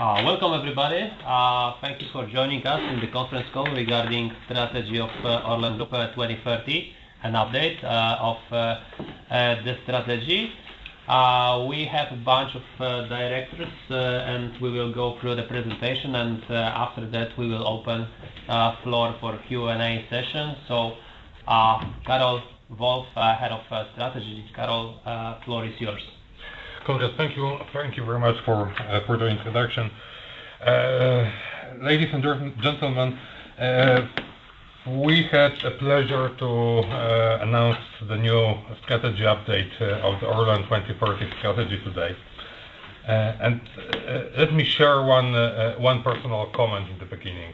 Welcome everybody. Thank you for joining us in the conference call regarding strategy of ORLEN Group, 2030, an update of the strategy. We have a bunch of directors, and we will go through the presentation, and after that, we will open floor for Q&A session. Karol Wolff, Head of Strategy. Karol, floor is yours. Konrad, thank you. Thank you very much for for the introduction. Ladies and gentlemen, we had a pleasure to announce the new strategy update of the Orlen 2030 strategy today. Let me share one personal comment in the beginning.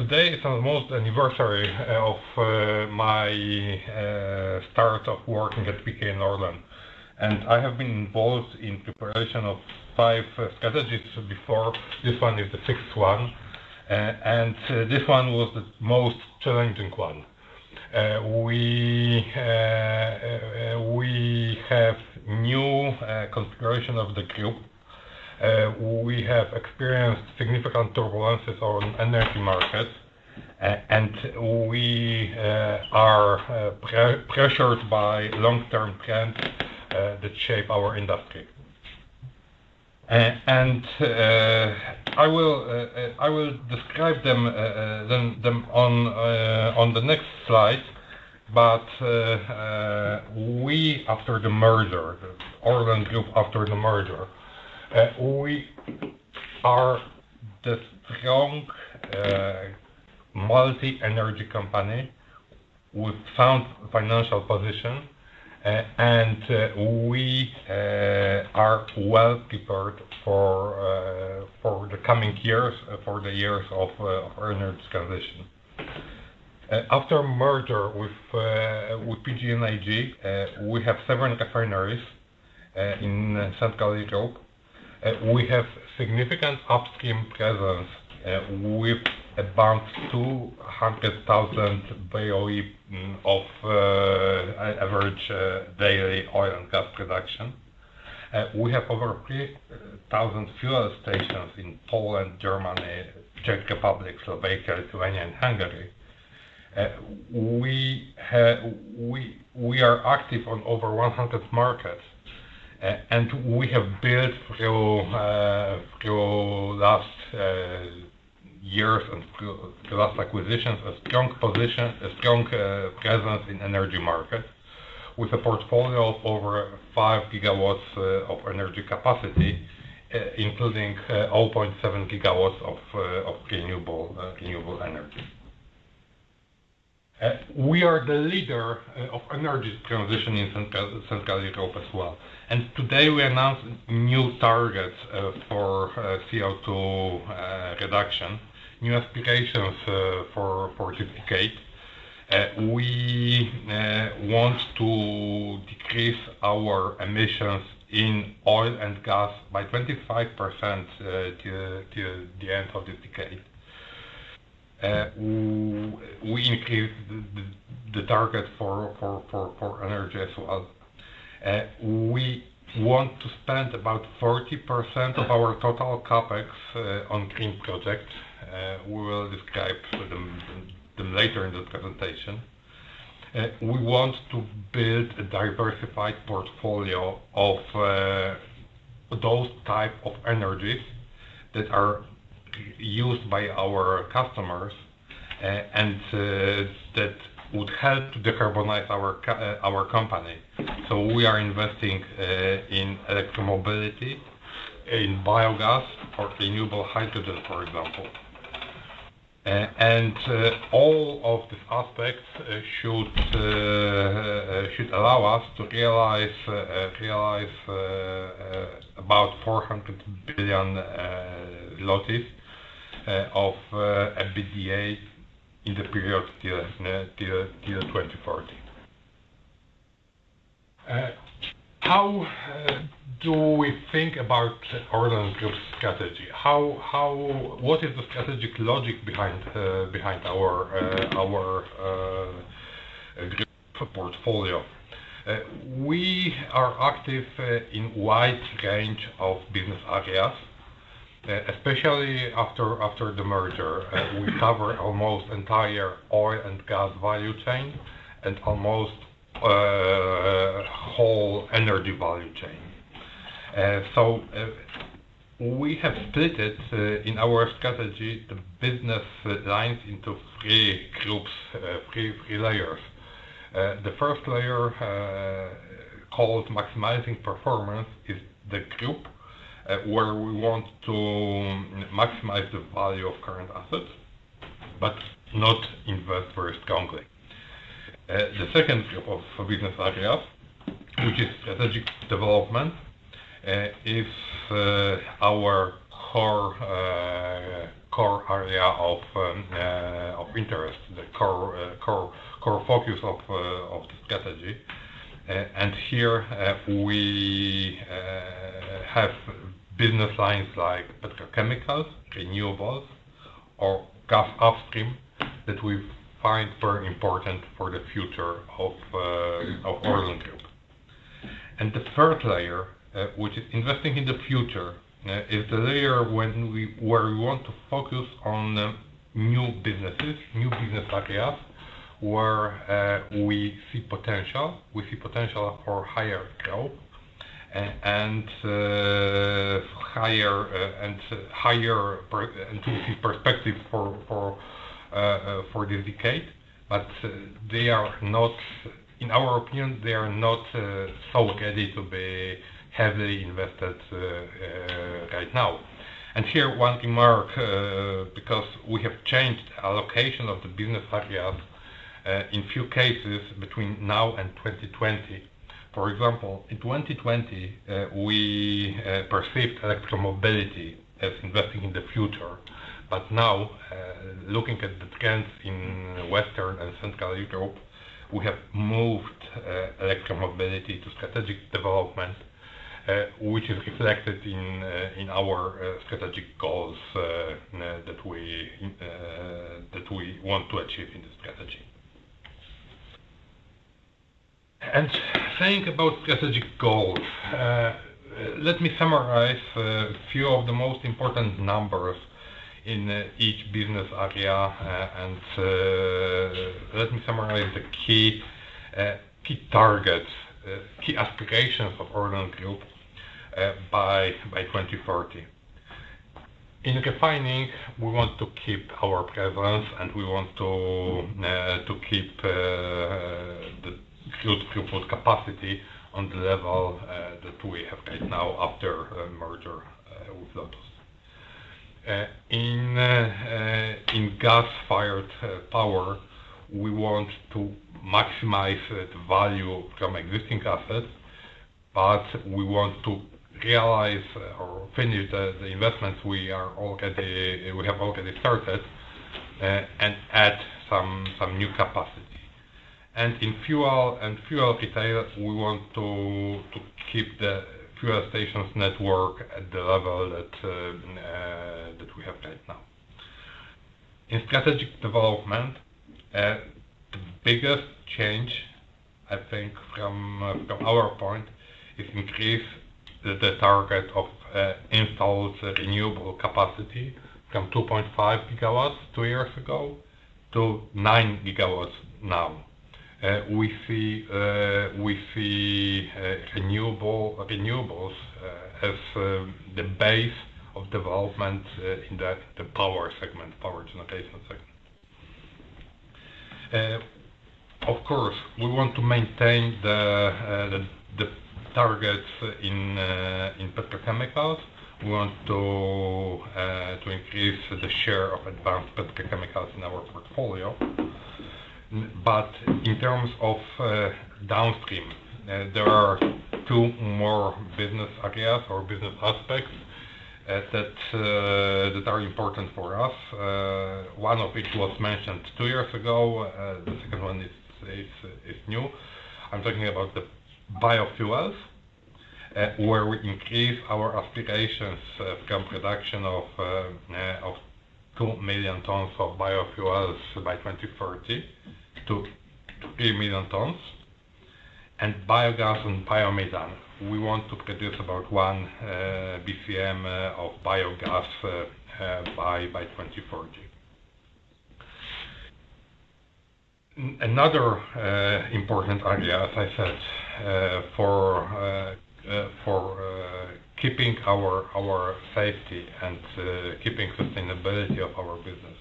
Today is almost anniversary of my start of working at PKN Orlen. I have been involved in preparation of five strategies before. This one is the sixth one. This one was the most challenging one. We have new configuration of the group. We have experienced significant turbulences on energy markets. We are pre-pressured by long-term trends that shape our industry. I will describe them on the next slide. We after the merger, ORLEN Group after the merger, we are the strong multi-energy company with sound financial position. We are well prepared for for the coming years, for the years of energy transition. After merger with PGNiG, we have seven refineries in Central Europe. We have significant upstream presence with about 200,000 BOE of average daily oil and gas production. We have over 3,000 fuel stations in Poland, Germany, Czech Republic, Slovakia, Lithuania, and Hungary. We are active on over 100 markets. We have built through last years and through the last acquisitions, a strong position, a strong presence in energy markets with a portfolio of over 5 GW of energy capacity, including 0.7 GW of renewable energy. We are the leader of energy transition in Central Europe as well. Today, we announced new targets for CO2 reduction, new aspirations for this decade. We want to decrease our emissions in oil and gas by 25% till the end of this decade. We increase the target for energy as well. We want to spend about 40% of our total CapEx on green projects. We will describe them later in this presentation. We want to build a diversified portfolio of those type of energies that are used by our customers, and that would help to decarbonize our company. We are investing in electromobility, in biogas, or renewable hydrogen, for example. All of these aspects should allow us to realize about 400 billion of EBITDA in the period till 2040. How do we think about ORLEN Group's strategy? What is the strategic logic behind our group portfolio? We are active in wide range of business areas, especially after the merger. We cover almost entire oil and gas value chain and almost whole energy value chain. We have split it in our strategy, the business lines into three groups, three layers. The first layer, called Maximizing Performance, is the group where we want to maximize the value of current assets but not invest very strongly. The second group of business areas, which is Strategic Development, is our core area of interest. The core focus of the strategy. Here, we have business lines like petrochemicals, renewables or gas upstream that we find very important for the future of ORLEN Group. The third layer, which is Investing in the Future, is the layer where we want to focus on the new businesses, new business areas, where we see potential. We see potential for higher growth and higher, and higher per-intensive perspective for this decade. They are not... In our opinion, they are not so ready to be heavily invested right now. Here one remark because we have changed allocation of the business areas in few cases between now and 2020. For example, in 2020, we perceived electromobility as investing in the future. Now, looking at the trends in Western and Central Europe, we have moved electromobility to strategic development, which is reflected in our strategic goals that we want to achieve in this strategy. Saying about strategic goals, let me summarize a few of the most important numbers in each business area. Let me summarize the key targets, key aspirations of ORLEN Group, by 2030. In refining, we want to keep our presence, and we want to keep the crude throughput capacity on the level that we have right now after a merger with LOTOS. In gas-fired power, we want to maximize the value from existing assets, but we want to realize or finish the investments we have already started, and add some new capacity. In fuel and fuel retailers, we want to keep the fuel stations network at the level that we have right now. In strategic development, the biggest change, I think from our point is increase the target of installed renewable capacity from 2.5 GW two years ago to 9 GW now. We see renewables as the base of development in the power segment, power generation segment. Of course, we want to maintain the targets in petrochemicals. We want to increase the share of advanced petrochemicals in our portfolio. In terms of downstream, there are two more business areas or business aspects that are important for us. One of it was mentioned two years ago. The second one is new. The biofuels, where we increase our aspirations from production of 2 million tons of biofuels by 2030 to 3 million tons. Biogas and biomethane, we want to produce about 1 bcm of biogas by 2030. Another important area, as I said, for keeping our safety and keeping sustainability of our business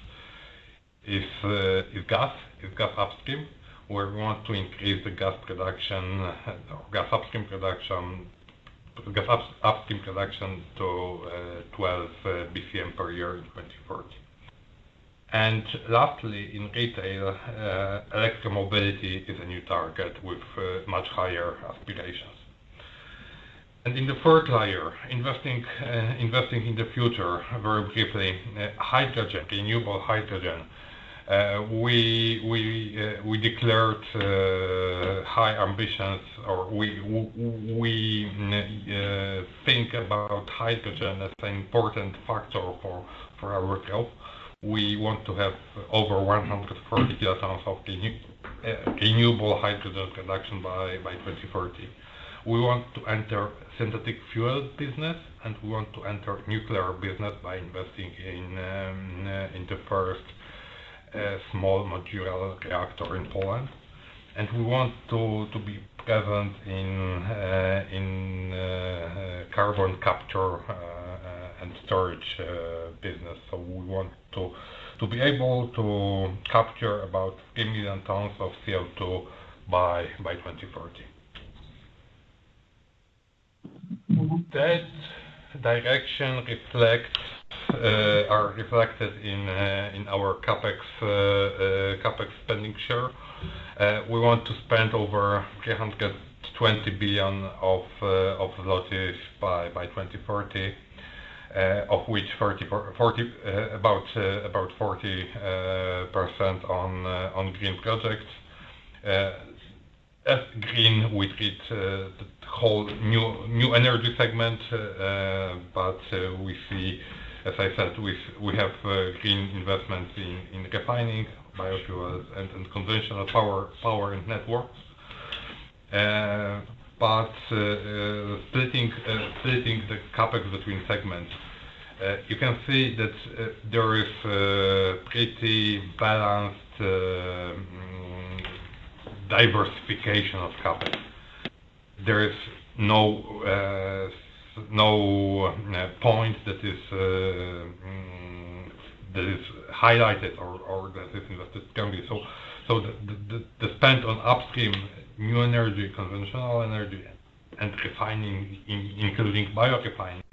is gas, is gas upstream, where we want to increase the gas production, gas upstream production, gas upstream production to 12 bcm per year in 2030. Lastly, in retail, electromobility is a new target with much higher aspirations. In the third layer, investing in the future very briefly. Hydrogen, renewable hydrogen, we declared high ambitions or we think about hydrogen as an important factor for our growth. We want to have over 140 [terawatts] of renewable hydrogen production by 2030. We want to enter synthetic fuels business, we want to enter nuclear business by investing in the first small modular reactor in Poland. We want to be present in carbon capture and storage business. We want to be able to capture about 8 million tons of CO2 by 2030. That direction are reflected in in our CapEx spending share. We want to spend over 320 billion by 2030, of which about 40% on green projects. As green, we treat the whole new energy segment, but we see, as I said, we have green investments in refining, biofuels, and in conventional power and networks, but splitting the CapEx between segments, you can see that there is pretty balanced diversification of CapEx. There is no point that is highlighted or that is invested strongly. The spend on upstream, new energy, conventional energy, and refining, including bio-refining,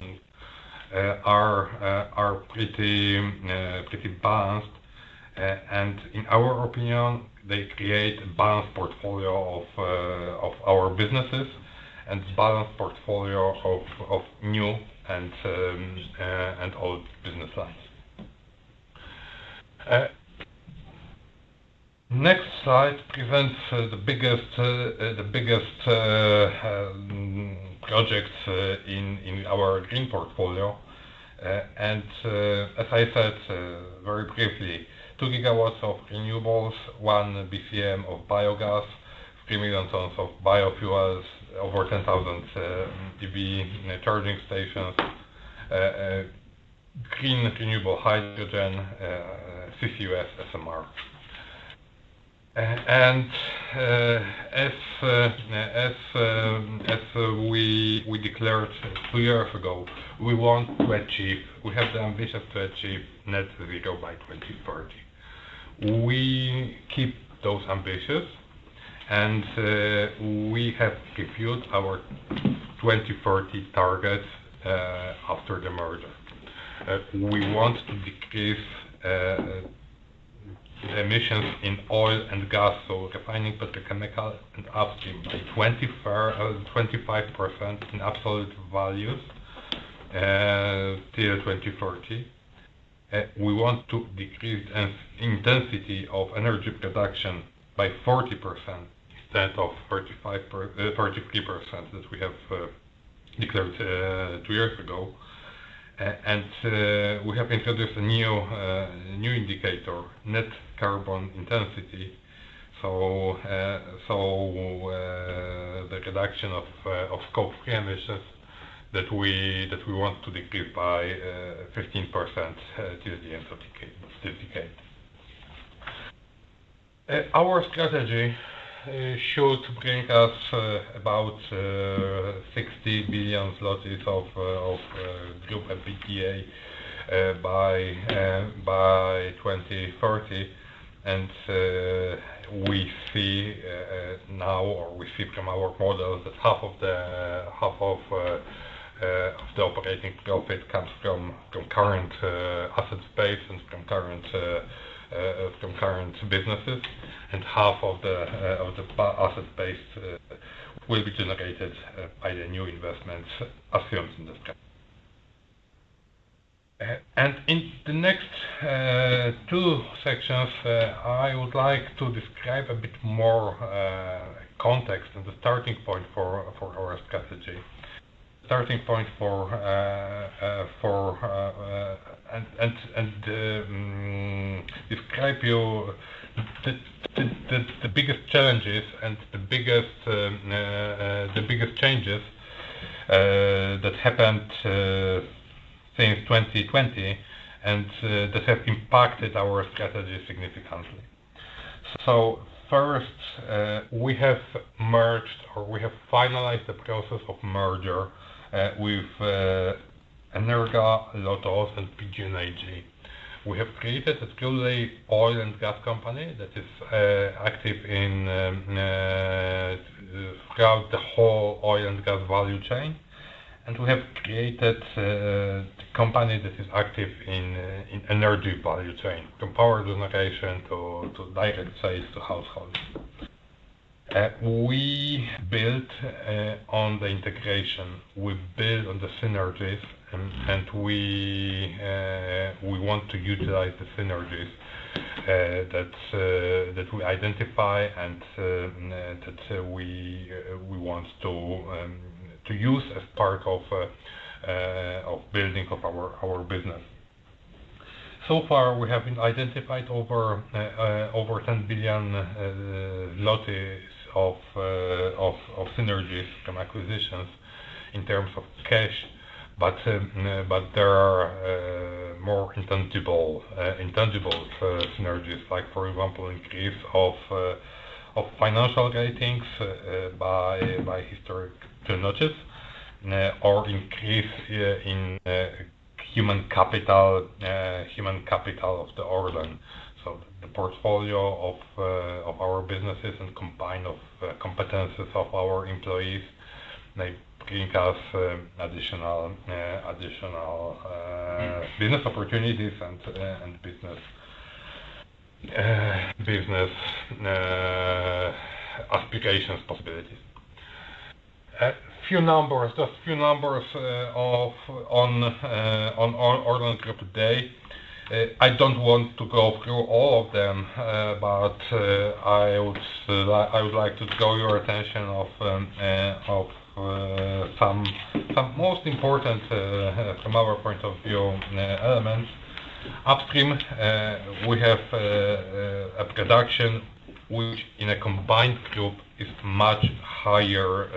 are pretty balanced. In our opinion, they create a balanced portfolio of our businesses and balanced portfolio of new and old business lines. Next slide presents the biggest projects in our green portfolio. As I said, very briefly, 2 GW of renewables, 1 bcm of biogas, 3 million tons of biofuels, over 10,000 EV charging stations, clean renewable hydrogen, SMR. As we declared two years ago, we want to achieve... We have the ambition to achieve net zero by 2030. We keep those ambitions. We have refilled our 2030 targets after the merger. We want to decrease emissions in oil and gas, so refining petrochemicals and upstream by 25% in absolute values till 2030. We want to decrease intensity of energy production by 40% instead of 33% that we have declared two years ago. We have introduced a new indicator, Net Carbon Intensity. The reduction of Scope 3 emissions that we want to decrease by 15% till the end of decade, this decade. Our strategy should bring us about 60 billion of group EBITDA by 2030. We see now or we see from our models that half of the operating profit comes from current asset base and from current businesses, and half of the asset base will be generated by the new investments as shown in this graph. In the next two sections, I would like to describe a bit more context and the starting point for our strategy. Starting point for and describe you the biggest challenges and the biggest changes that happened since 2020 and that have impacted our strategy significantly. First, we have finalized the process of merger with Energa, LOTOS and PGNiG. We have created a truly oil and gas company that is active throughout the whole oil and gas value chain. We have created company that is active in energy value chain, from power generation to direct sales to households. We built on the integration, we build on the synergies, and we want to utilize the synergies that we identify and that we want to use as part of building of our business. So far we have identified over 10 billion of synergies from acquisitions in terms of cash. There are more intangible synergies, like for example increase of financial ratings by historic notches, or increase in human capital of the organization. The portfolio of our businesses and combine of competencies of our employees, like bringing us additional business opportunities and business applications possibilities. Just few numbers on ORLEN Group today. I don't want to go through all of them, but I would like to draw your attention of some most important from our point of view elements. Upstream, we have a production which in a combined group is much higher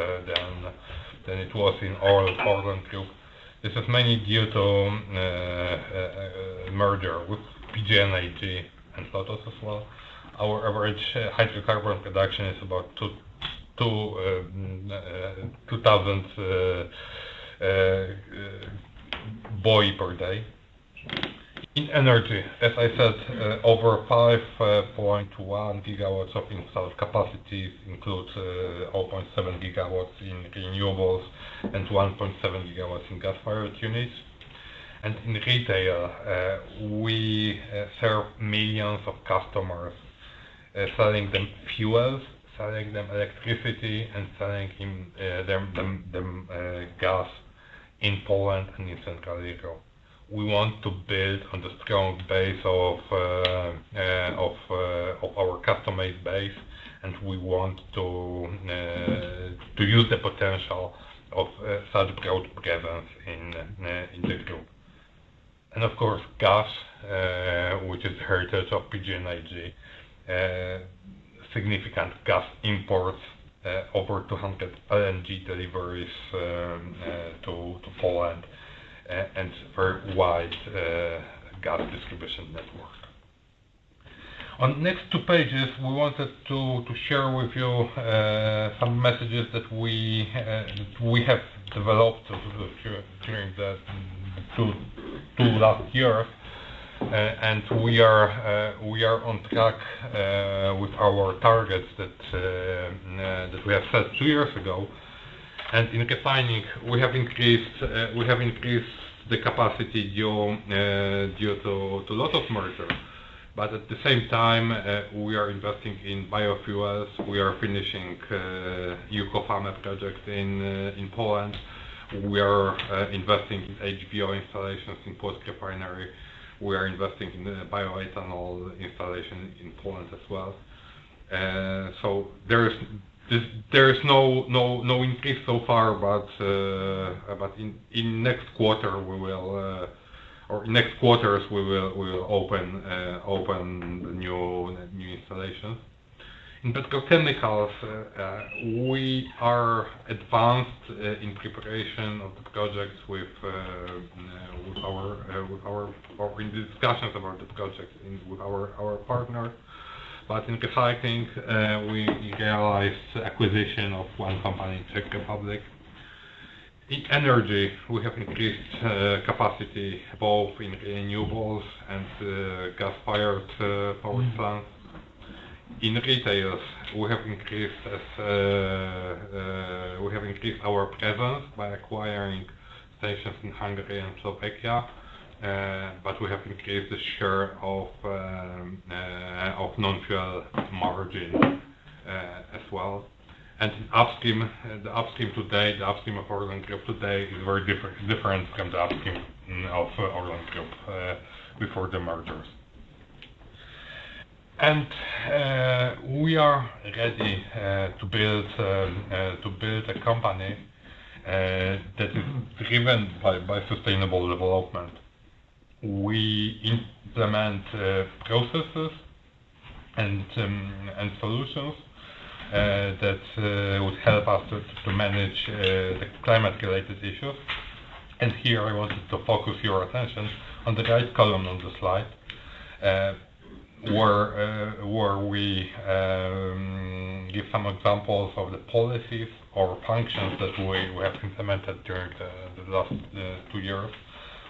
than it was in all ORLEN Group. This is mainly due to merger with PGNiG and LOTOS as well. Our average hydrocarbon production is about 2,000 BOE per day. In energy, as I said, over 5.1 GW of installed capacity include 0.7 GW in renewables and 1.7 GW in gas-fired units. In retail, we serve millions of customers, selling them fuels, selling them electricity, and selling them gas in Poland and in Central Europe. We want to build on the strong base of our customer base, and we want to use the potential of such broad presence in the group. Of course, gas, which is heritage of PGNiG, significant gas import, over 200 LNG deliveries to Poland, and very wide gas distribution network. On next two pages, we wanted to share with you some messages that we have developed dring the two last years. We are on track with our targets that we have set two years ago. In refining, we have increased the capacity due to lot of mergers. At the same time, we are investing in biofuels. We are finishing ekofarm projects in Poland. We are investing in HVO installations in Płock refinery. We are investing in bioethanol installation in Poland as well. There is no increase so far, but in next quarter we will or next quarters we will open new installations. Petrochemicals, we are advanced in preparation of the projects with our Or in discussions about these projects with our partners. In recycling, we realized acquisition of one company in Czech Republic. In energy, we have increased capacity both in renewables and gas-fired power plants. In retails, we have increased our presence by acquiring stations in Hungary and Slovakia. We have increased the share of non-fuel margin as well. Upstream, the upstream today, the upstream of ORLEN Group today is very different from the upstream of ORLEN Group before the mergers. We are ready to build a company that is driven by sustainable development. We implement processes and solutions that would help us to manage the climate-related issues. Here I wanted to focus your attention on the right column on the slide, where we give some examples of the policies or functions that we have implemented during the last two years.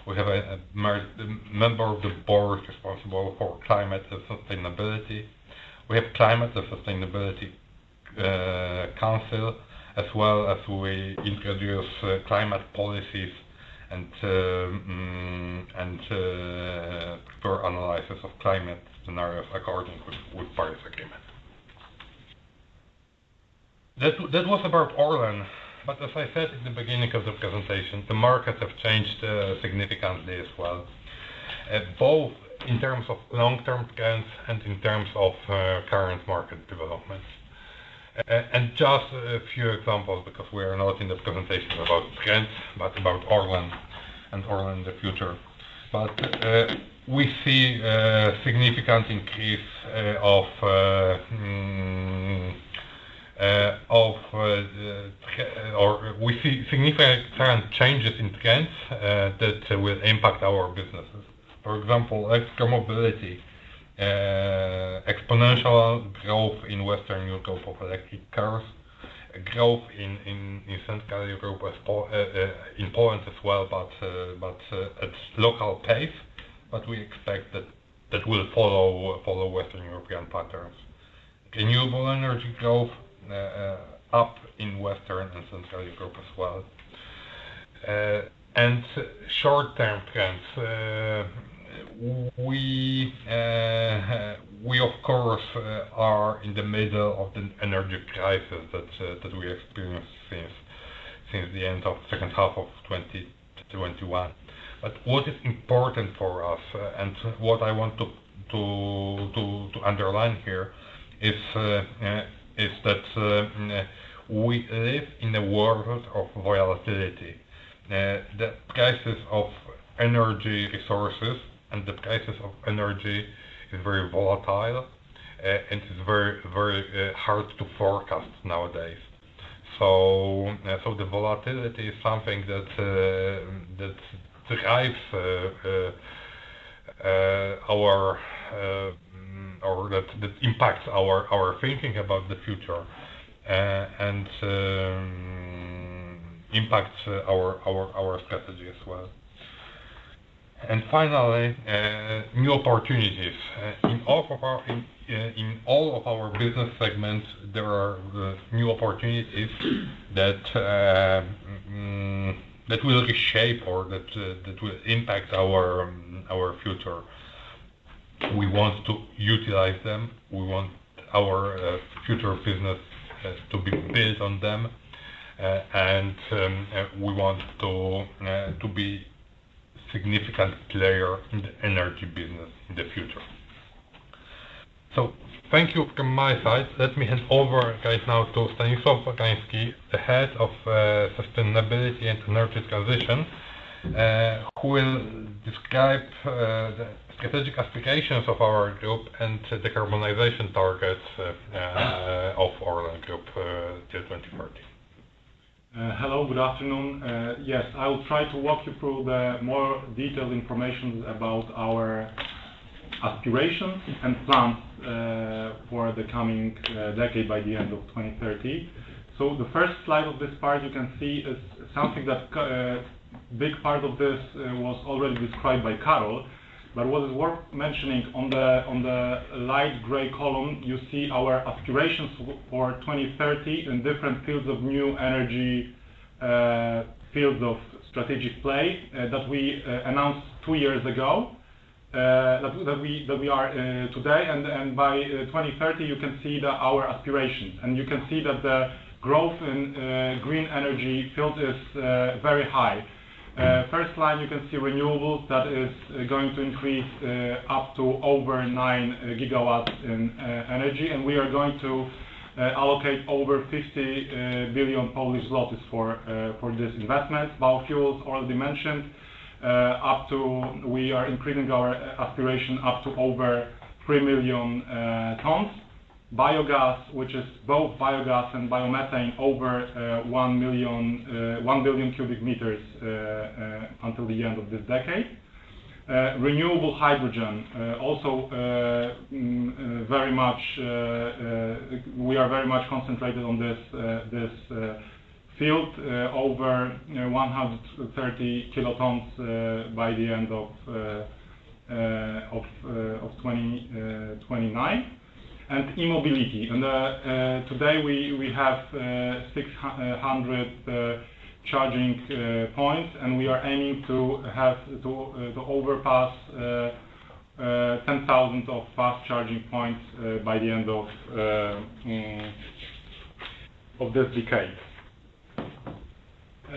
We have a member of the board responsible for climate and sustainability. We have Climate and Sustainability Council, as well as we introduce climate policies and thorough analysis of climate scenarios according with Paris Agreement. That was about Orlen. As I said at the beginning of this presentation, the markets have changed significantly as well, both in terms of long-term trends and in terms of current market developments. Just a few examples, because we are not in the presentation about trends, but about Orlen and Orlen, the future. We see a significant increase of or we see significant trend changes in trends that will impact our businesses. For example, electromobility, exponential growth in Western Europe of electric cars. Growth in Central Europe in Poland as well, but at local pace. We expect that that will follow Western European patterns. Renewable energy growth up in Western and Central Europe as well. Short-term trends. We of course are in the middle of the energy crisis that we experienced since the end of second half of 2021. What is important for us and what I want to underline here is that we live in a world of volatility. The prices of energy resources and the prices of energy is very volatile and it is very hard to forecast nowadays. The volatility is something that drives our... or that impacts our thinking about the future, and impacts our, our strategy as well. Finally, new opportunities. In all of our, in all of our business segments there are new opportunities that will shape or that will impact our future. We want to utilize them. We want our future business to be built on them. We want to be significant player in the energy business in the future. Thank you from my side. Let me hand over, guys, now to Stanisław Piekarski, the Head of Sustainability and Energy Transition, who will describe the strategic aspirations of our group and the decarbonization targets of ORLEN Group till 2030. Hello, good afternoon. Yes, I will try to walk you through the more detailed information about our aspirations and plans for the coming decade by the end of 2030. The first slide of this part you can see is something that big part of this was already described by Karol. What is worth mentioning on the, on the light gray column, you see our aspirations for 2030 in different fields of new energy, fields of strategic play that we announced two years ago that we are today. By 2030, you can see our aspirations. You can see that the growth in green energy field is very high. First line you can see renewables, that is going to increase up to over 9 GW in energy. We are going to allocate over 50 billion Polish zlotys for this investment. Biofuels already mentioned, we are increasing our aspiration up to over 3 million tons. Biogas, which is both biogas and biomethane, over 1 billion cubic meters until the end of this decade. Renewable hydrogen, also, we are very much concentrated on this field. Over, you know, 130 kilotons by the end of 2029. E-mobility. Today we have 600 charging points and we are aiming to have to overpass 10,000 of fast charging points by the end of this decade.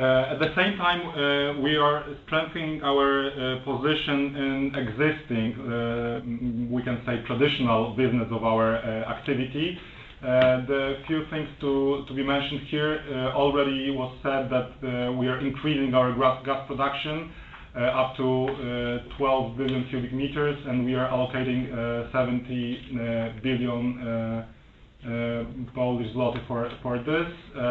At the same time, we are strengthening our position in existing we can say traditional business of our activity. The few things to be mentioned here already was said that we are increasing our gas production up to 12 billion cubic meters, and we are allocating PLN 70 billion for this.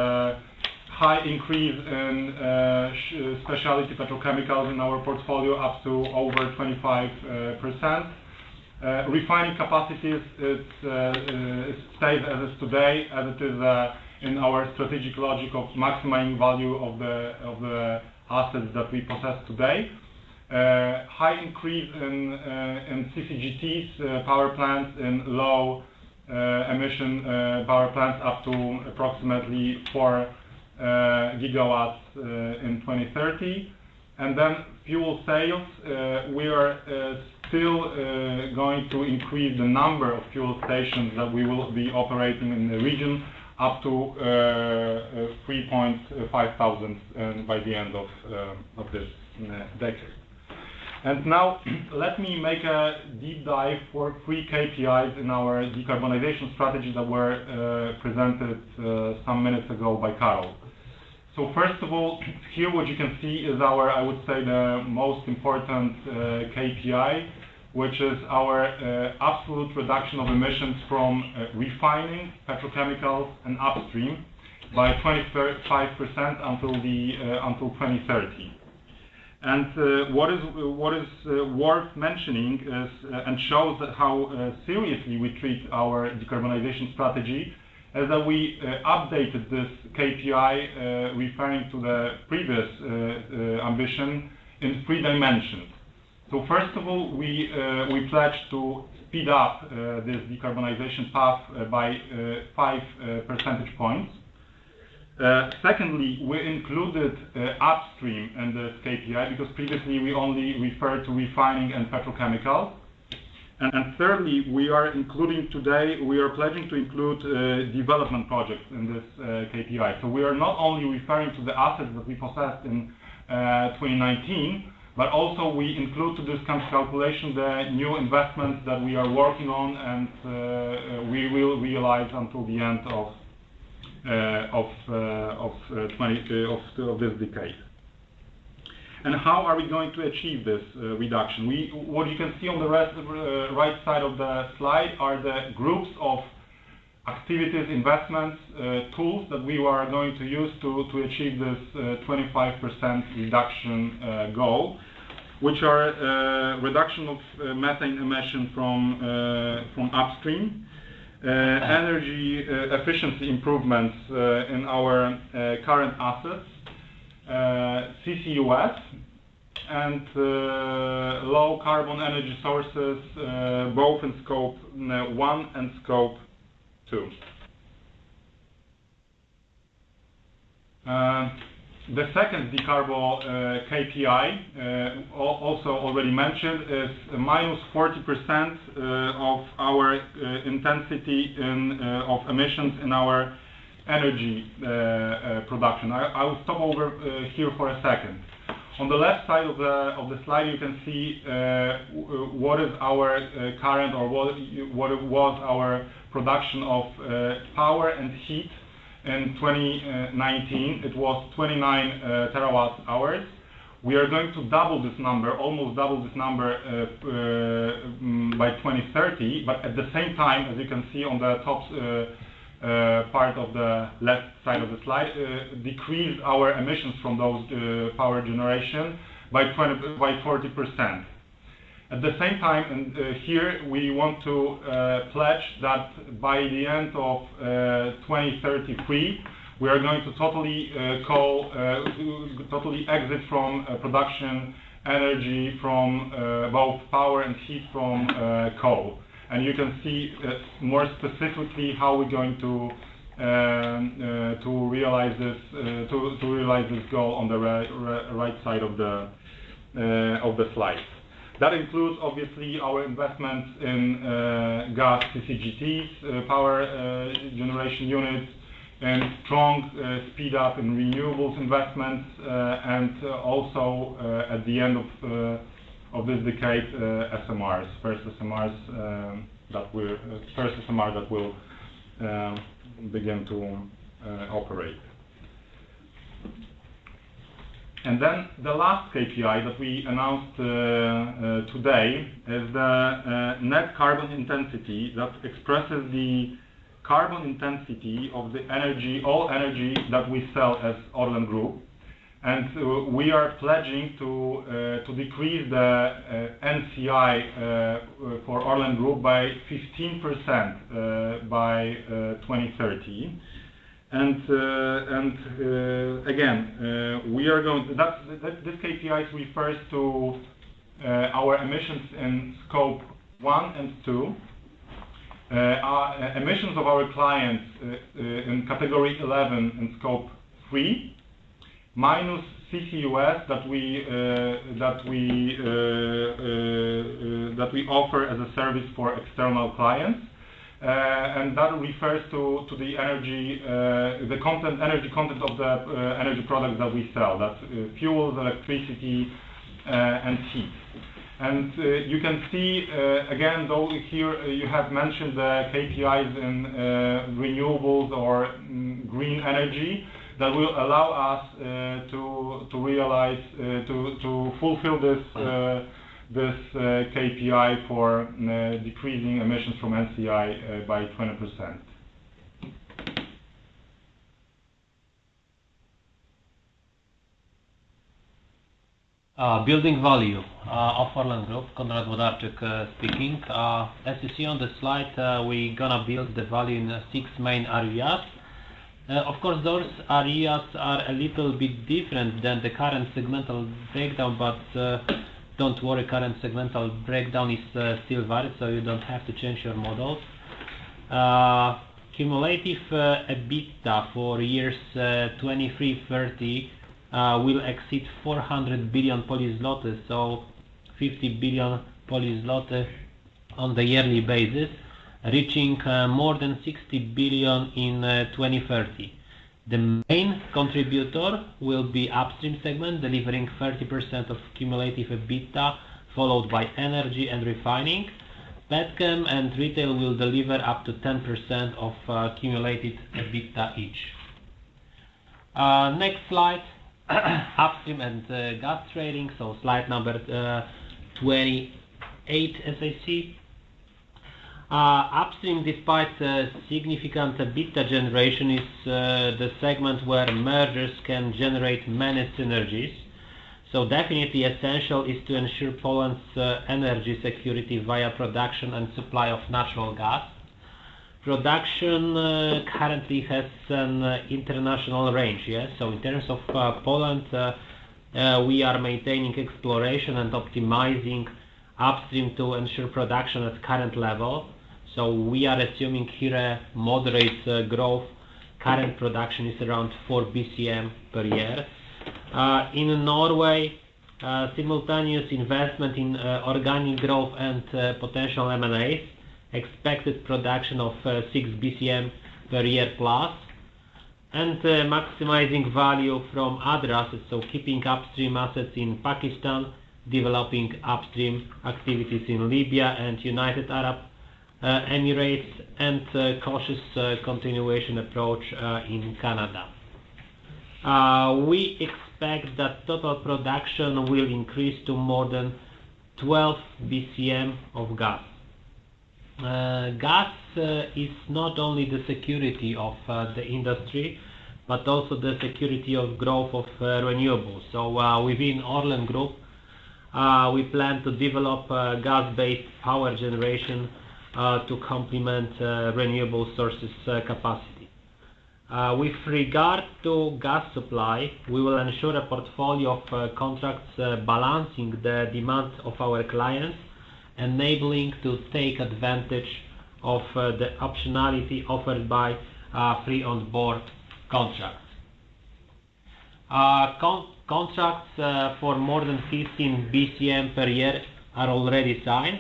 High increase in specialty petrochemicals in our portfolio, up to over 25%. Refining capacities is stable as is today as it is in our strategic logic of maximizing value of the assets that we possess today. High increase in CCGT's power plants and low emission power plants up to approximately 4 GW in 2030. Then fuel sales, we are still going to increase the number of fuel stations that we will be operating in the region up to 3,500 by the end of this decade. Now let me make a deep dive for three KPIs in our decarbonization strategy that were presented some minutes ago by Karol. First of all, here what you can see is our, I would say the most important KPI, which is our absolute reduction of emissions from refining petrochemical and upstream by 25% until 2030. What is, what is worth mentioning is and shows how seriously we treat our decarbonization strategy, is that we updated this KPI referring to the previous ambition in three dimensions. First of all, we pledge to speed up this decarbonization path by 5 percentage points. Secondly, we included upstream in the KPI because previously we only referred to refining and petrochemical. Thirdly, we are including today, we are pledging to include development projects in this KPI. We are not only referring to the assets that we possessed in 2019, but also we include to this kind of calculation the new investment that we are working on and we will realize until the end of this decade. How are we going to achieve this reduction? What you can see on the rest of right side of the slide are the groups of activities, investments, tools that we are going to use to achieve this 25% reduction goal, which are reduction of methane emission from upstream, energy efficiency improvements in our current assets, CCUS and low carbon energy sources, both in Scope 1 and Scope 2. The second decarbo- KPI, also already mentioned, is minus 40% of our intensity in of emissions in our energy production. I will stop over here for a second. On the left side of the slide, you can see what is our current or what was our production of power and heat in 2019. It was 29 TW hours. We are going to double this number, almost double this number by 2030, but at the same time, as you can see on the top part of the left side of the slide, decrease our emissions from those power generation by 40%. At the same time, here we want to pledge that by the end of 2033, we are going to totally coal, totally exit from production energy from both power and heat from coal, and you can see more specifically how we are going to realize this, to realize this goal on the right side of the slide. That includes obviously our investment in gas CCGTs, power generation units and strong speed up in renewables investments, and also at the end of this decade, SMRs, first SMRs that we first SMRs that will begin to operate. The last KPI that we announced today is the Net Carbon Intensity that expresses the carbon intensity of the energy, all energy that we sell as ORLEN Group. We are pledging to decrease the NCI for ORLEN Group by 15% by 2030. This KPI refers to our emissions in Scope 1 and 2. Our emissions of our clients in Category 11 in Scope 3, minus CCUS that we offer as a service for external clients. That refers to the energy, the content, energy content of the energy products that we sell, that's fuels, electricity, and heat. You can see, again, though here you have mentioned the KPIs in renewables or green energy that will allow us to realize, to fulfill this KPI for decreasing emissions from NCI by 20%. Building value of ORLEN Group, Konrad Włodarczyk speaking. As you see on the slide, we're gonna build the value in the six main areas. Of course, those areas are a little bit different than the current segmental breakdown, but don't worry, current segmental breakdown is still valid, so you don't have to change your models. Cumulative EBITDA for years 2023, 2030 will exceed 400 billion zloty, so 50 billion zloty on the yearly basis, reaching more than 60 billion in 2030. The main contributor will be Upstream Segment, delivering 30% of cumulative EBITDA, followed by Energy and Refining. Petchem and Retail will deliver up to 10% of cumulative EBITDA each. Next slide, Upstream and Gas Trading. Slide number 28, as I see. Upstream, despite significant EBITDA generation, is the segment where mergers can generate many synergies. Definitely essential is to ensure Poland's energy security via production and supply of natural gas. Production currently has an international range. Yeah. In terms of Poland, we are maintaining exploration and optimizing upstream to ensure production at current level. We are assuming here a moderate growth. Current production is around 4 bcm per year. In Norway, simultaneous investment in organic growth and potential M&A. Expected production of 6 bcm per year plus. Maximizing value from other assets. Keeping upstream assets in Pakistan, developing upstream activities in Libya and United Arab Emirates, and cautious continuation approach in Canada. We expect that total production will increase to more than 12 bcm of gas. Gas is not only the security of the industry, but also the security of growth of renewables. Within ORLEN Group, we plan to develop gas-based power generation to complement renewable sources' capacity. With regard to gas supply, we will ensure a portfolio of contracts balancing the demand of our clients, enabling to take advantage of the optionality offered by free on board contracts. Contracts for more than 15 bcm per year are already signed.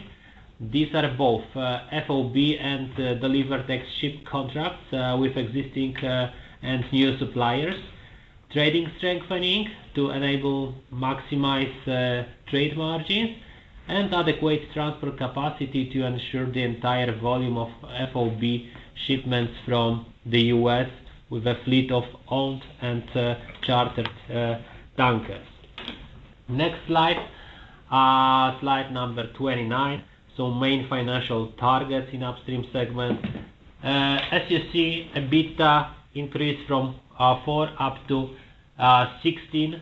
These are both FOB and Delivered Ex-Ship contracts with existing and new suppliers. Trading strengthening to enable maximize trade margins, and adequate transport capacity to ensure the entire volume of FOB shipments from the U.S. with a fleet of owned and chartered tankers. Next slide. Slide number 29. Main financial targets in upstream segment. As you see, EBITDA increased from 4 billion up to 16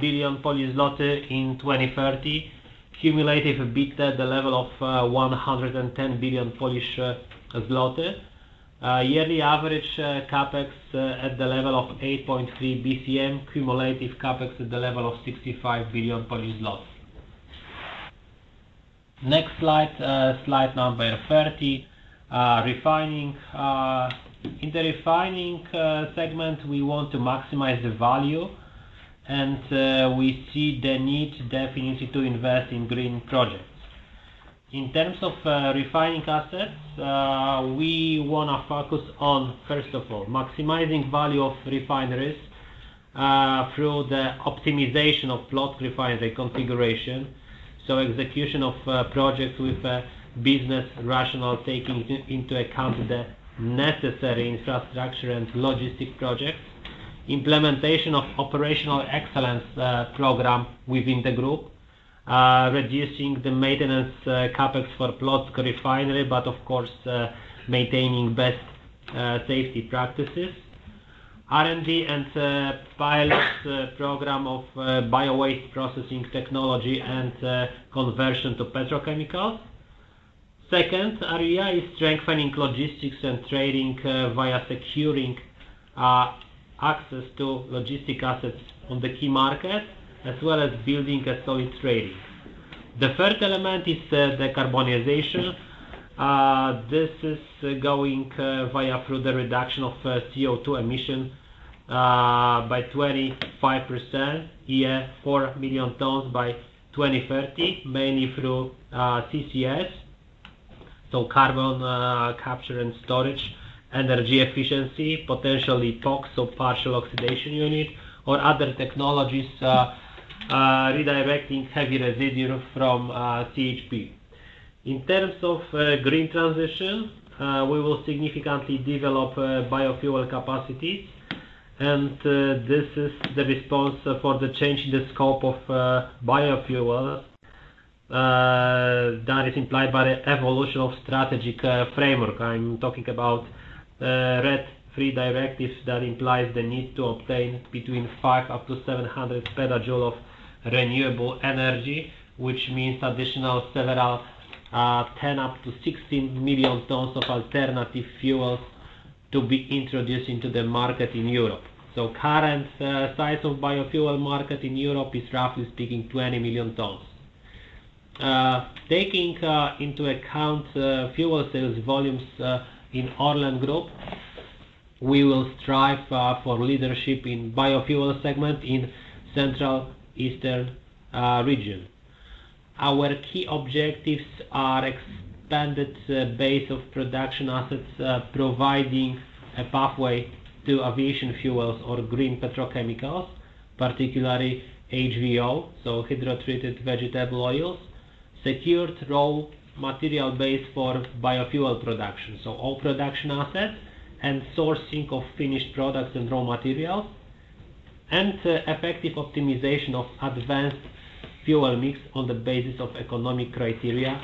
billion Polish zloty in 2030. Cumulative EBITDA at the level of 110 billion Polish zloty. Yearly average CapEx at the level of 8.3 bcm. Cumulative CapEx at the level of 65 billion. Next slide. Slide number 30. Refining. In the refining segment, we want to maximize the value, and we see the need definitely to invest in green projects. In terms of refining assets, we wanna focus on, first of all, maximizing value of refineries through the optimization of Płock refinery configuration. Execution of projects with a business rationale, taking into account the necessary infrastructure and logistics projects. Implementation of operational excellence program within the group. Reducing the maintenance CapEx for Płock refinery, but of course, maintaining best safety practices. R&D and pilot program of biowaste processing technology and conversion to petrochemicals. Second area is strengthening logistics and trading via securing access to logistic assets on the key market, as well as building a solid trading. The third element is the carbonization. This is going via through the reduction of CO2 emission by 25%, yeah, 4 million tons by 2030, mainly through CCS, so carbon capture and storage, energy efficiency, potentially TPOX, so partial oxidation unit or other technologies, redirecting heavy residual from CHP. In terms of green transition, we will significantly develop biofuel capacity, and this is the response for the change in the scope of biofuel that is implied by the evolution of strategic framework. I'm talking about RED III directive that implies the need to obtain between 5 PJ up to 700 PJ of renewable energy, which means additional several 10 million tons up to 16 million tons of alternative fuels to be introduced into the market in Europe. Current size of biofuel market in Europe is, roughly speaking, 20 million tons. Taking into account fuel sales volumes in ORLEN Group, we will strive for leadership in biofuel segment in Central Eastern region. Our key objectives are expanded base of production assets, providing a pathway to aviation fuels or green petrochemicals, particularly HVO, so Hydrotreated Vegetable Oil. Secured raw material base for biofuel production, all production assets and sourcing of finished products and raw materials. Effective optimization of advanced fuel mix on the basis of economic criteria,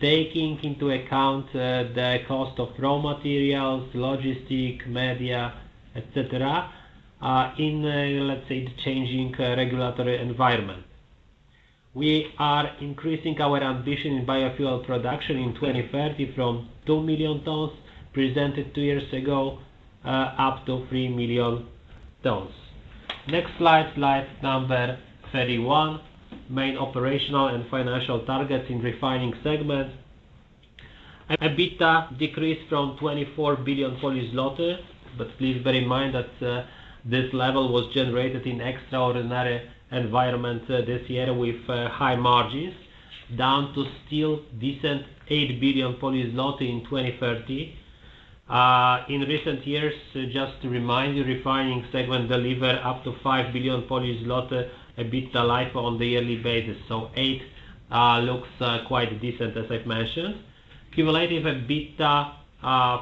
taking into account the cost of raw materials, logistics, media, et cetera, in a, let's say, changing regulatory environment. We are increasing our ambition in biofuel production in 2030 from 2 million tons presented two years ago, up to 3 million tons. Next slide number 31. Main operational and financial targets in refining segment. EBITDA decreased from 24 billion. Please bear in mind that, this level was generated in extraordinary environment, this year with, high margins down to still decent 8 billion in 2030. In recent years, just to remind you, refining segment deliver up to 5 billion EBITDA LIFO on the yearly basis. 8 billion, looks, quite decent, as I've mentioned. Cumulative EBITDA,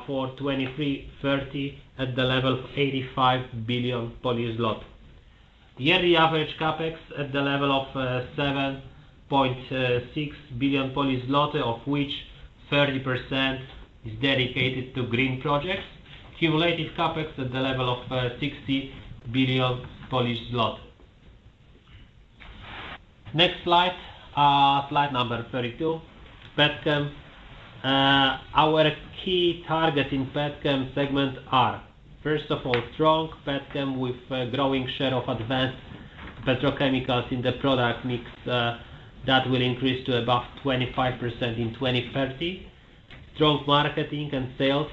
for 2023-2030 at the level of 85 billion. The yearly average CapEx at the level of, 7.6 billion, of which 30% is dedicated to green projects. Cumulative CapEx at the level of, PLN 60 billion. Next slide. Slide number 32. Petchem. Our key target in petchem segment are, first of all, strong petchem with a growing share of advanced petrochemicals in the product mix that will increase to above 25% in 2030. Strong marketing and sales,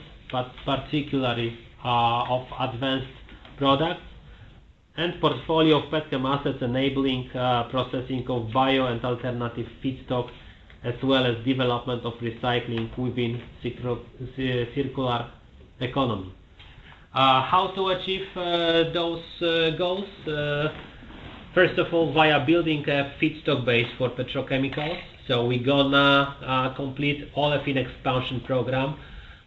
particularly of advanced products and portfolio of petchem assets enabling processing of bio and alternative feedstocks, as well as development of recycling within circular economy. How to achieve those goals? First of all, via building a feedstock base for petrochemicals. We're gonna complete olefin expansion program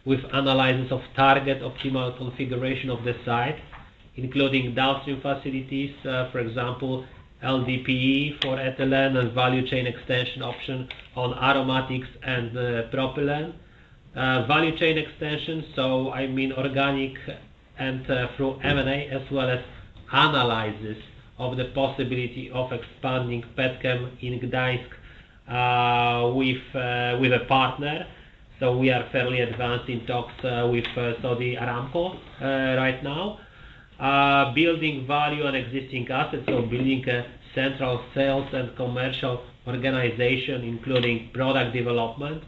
with analysis of target optimal configuration of the site, including downstream facilities, for example, LDPE for Ethylene and value chain extension option on aromatics and propylene. value chain extension, so I mean organic and through M&A, as well as analysis of the possibility of expanding petchem in Gdańsk with a partner. We are fairly advanced in talks with Saudi Aramco right now. Building value on existing assets. Building a central sales and commercial organization, including product development,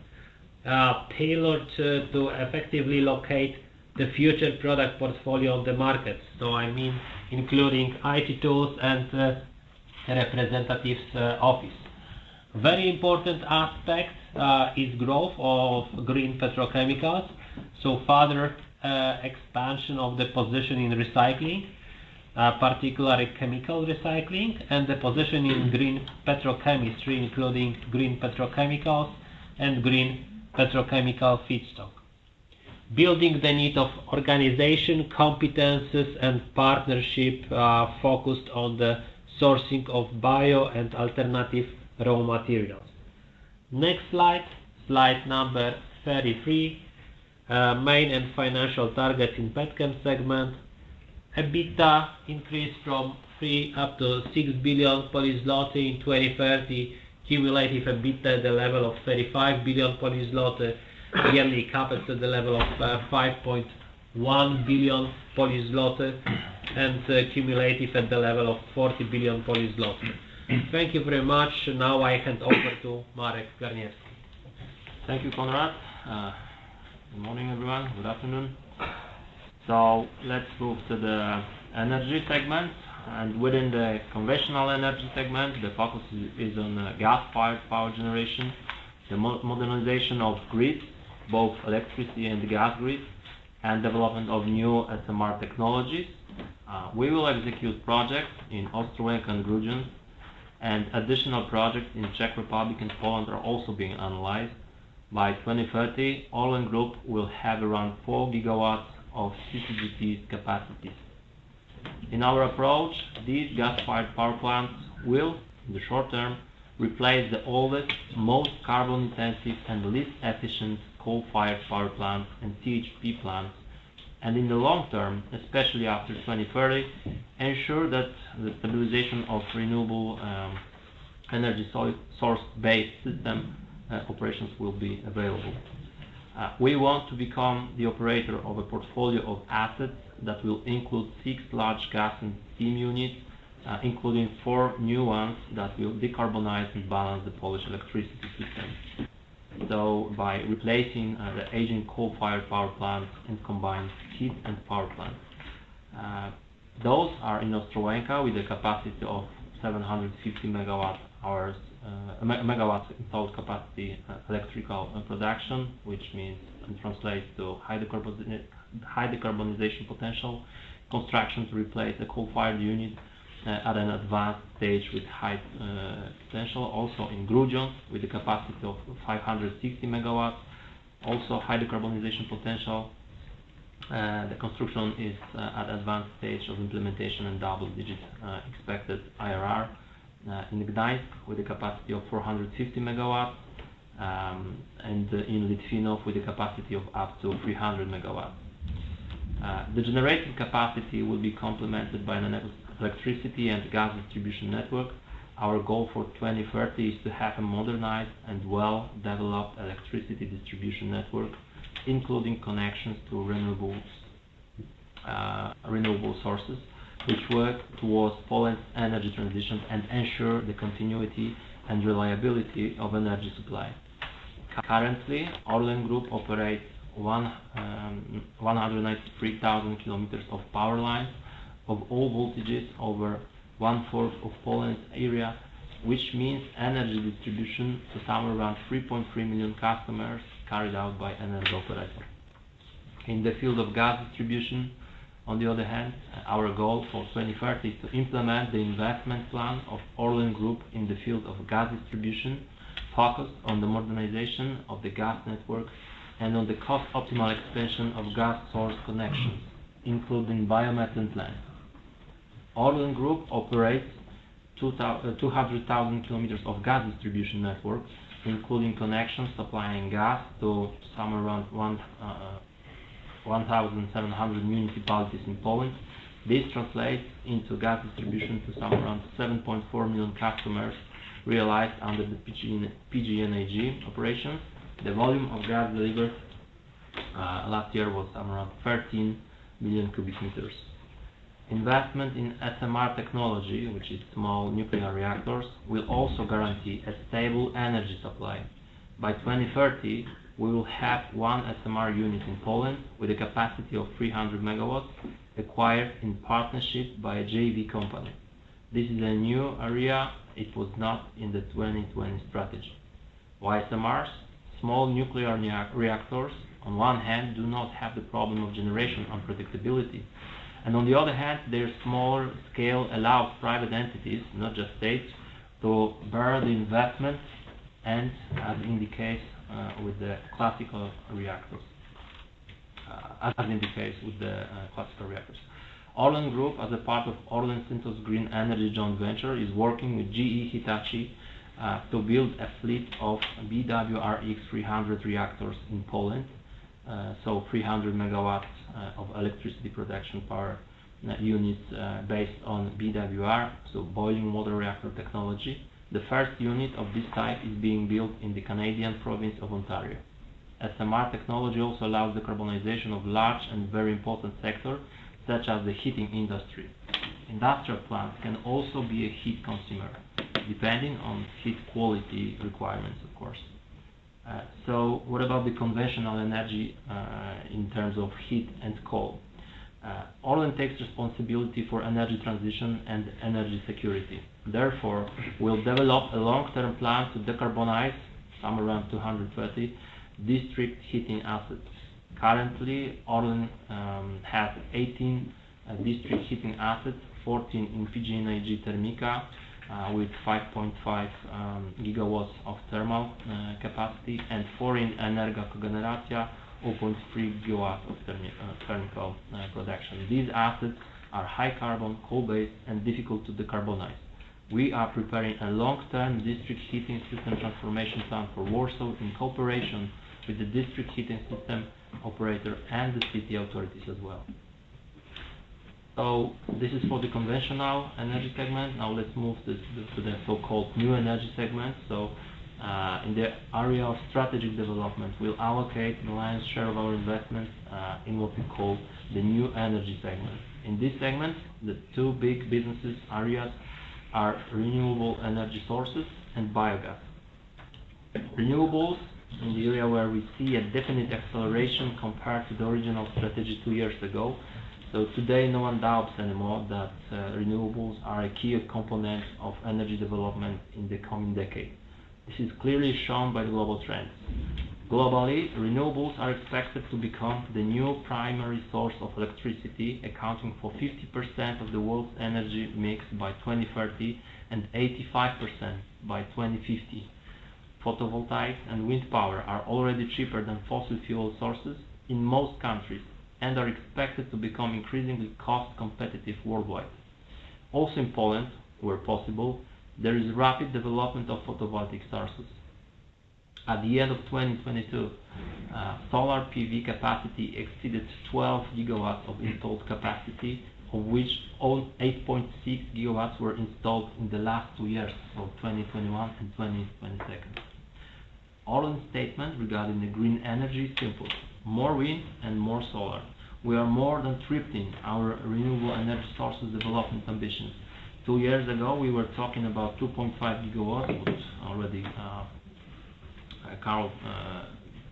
tailored to effectively locate the future product portfolio of the market. I mean, including IT tools and representatives' office. Very important aspect is growth of green petrochemicals. Further expansion of the position in recycling, particularly chemical recycling and the position in green petrochemistry, including green petrochemicals and green petrochemical feedstock. Building the need of organization, competencies and partnership focused on the sourcing of bio and alternative raw materials. Next slide. Slide number 33. Main and financial targets in petchem segment. EBITDA increased from 3 billion up to 6 billion in 2030. Cumulative EBITDA at the level of 35 billion. Yearly CapEx at the level of 5.1 billion and cumulative at the level of 40 billion. Thank you very much. Now I hand over to Marek Garniewski. Thank you, Konrad. Good morning, everyone. Good afternoon. Let's move to the energy segment. Within the conventional energy segment, the focus is on gas-fired power generation, the modernization of grid, both electricity and gas grid, and development of new SMR technologies. We will execute projects in Ostroleka and Grudziądz, and additional projects in Czech Republic and Poland are also being analyzed. By 2030, ORLEN Group will have around 4 GW of CCGT capacity. In our approach, these gas-fired power plants will, in the short term, replace the oldest, most carbon-intensive, and least efficient coal-fired power plant and CHP plant. In the long term, especially after 2030, ensure that the stabilization of renewable, energy source-based system operations will be available. We want to become the operator of a portfolio of assets that will include six large gas and steam units, including four new ones that will decarbonize and balance the Polish electricity system. By replacing the aging coal-fired power plants and combined heat and power plants. Those are in Ostrołęka with a capacity of 750 MW hours, megawatts installed capacity, electrical production, which means it translates to high decarbonization potential. Construction to replace the coal-fired unit at an advanced stage with high potential. Also in Grudziądz with a capacity of 560 MW, also high decarbonization potential. The construction is at advanced stage of implementation and double-digit expected IRR. In Gdańsk with a capacity of 450 MW, and in Litvínov with a capacity of up to 300 MW. The generating capacity will be complemented by an electricity and gas distribution network. Our goal for 2030 is to have a modernized and well-developed electricity distribution network, including connections to renewables, renewable sources which work towards Poland's energy transition and ensure the continuity and reliability of energy supply. Currently, ORLEN Group operates 193,000 km of power lines of all voltages over one-fourth of Poland's area, which means energy distribution to somewhere around 3.3 million customers carried out by energy operators. In the field of gas distribution, on the other hand, our goal for 2030 is to implement the investment plan of ORLEN Group in the field of gas distribution, focused on the modernization of the gas network and on the cost-optimal expansion of gas source connections, including biomethane plants. ORLEN Group operates 200,000 km of gas distribution network, including connections supplying gas to somewhere around 1,700 municipalities in Poland. This translates into gas distribution to somewhere around 7.4 million customers realized under the PGNiG operation. The volume of gas delivered last year was somewhere around 13 million cubic meters. Investment in SMR technology, which is small nuclear reactors, will also guarantee a stable energy supply. By 2030, we will have 1 SMR unit in Poland with a capacity of 300 MW acquired in partnership by a JV company. This is a new area. It was not in the 2020 strategy. Why SMRs? Small nuclear reactors, on one hand, do not have the problem of generation unpredictability, and on the other hand, their smaller scale allows private entities, not just states, to bear the investment, as in the case with the classical reactors. ORLEN Group, as a part of ORLEN Synthos Green Energy joint venture, is working with GE Hitachi to build a fleet of BWRX-300 reactors in Poland. So 300 MW of electricity production power units, based on BWR, so boiling water reactor technology. The first unit of this type is being built in the Canadian province of Ontario. SMR technology also allows the carbonization of large and very important sector such as the heating industry. Industrial plants can also be a heat consumer, depending on heat quality requirements, of course. What about the conventional energy in terms of heat and coal? Orlen takes responsibility for energy transition and energy security. Therefore, we'll develop a long-term plan to decarbonize somewhere around 230 district heating assets. Currently, Orlen has 18 district heating assets, 14 in PGNiG Termika, with 5.5 GW of thermal capacity, and four in Energa Kogeneracja, 4.3 GW of thermal production. These assets are high carbon, coal-based, and difficult to decarbonize. We are preparing a long-term district heating system transformation plan for Warsaw in cooperation with the district heating system operator and the city authorities as well. This is for the conventional energy segment. Now let's move to the so-called new energy segment. In the area of strategic development, we'll allocate the lion's share of our investment in what we call the new energy segment. In this segment, the two big businesses areas are renewable energy sources and biogas. Renewables is an area where we see a definite acceleration compared to the original strategy two years ago. Today, no one doubts anymore that renewables are a key component of energy development in the coming decade. This is clearly shown by the global trends. Globally, renewables are expected to become the new primary source of electricity, accounting for 50% of the world's energy mix by 2030 and 85% by 2050. Photovoltaic and wind power are already cheaper than fossil fuel sources in most countries and are expected to become increasingly cost-competitive worldwide. In Poland, where possible, there is rapid development of photovoltaic sources. At the end of 2022, solar PV capacity exceeded 12 GW of installed capacity, of which only 8.6 GW were installed in the last two years, so 2021 and 2022. Orlen's statement regarding the green energy is simple: more wind and more solar. We are more than tripling our renewable energy sources development ambitions. Two years ago, we were talking about 2.5 GW, which already Karol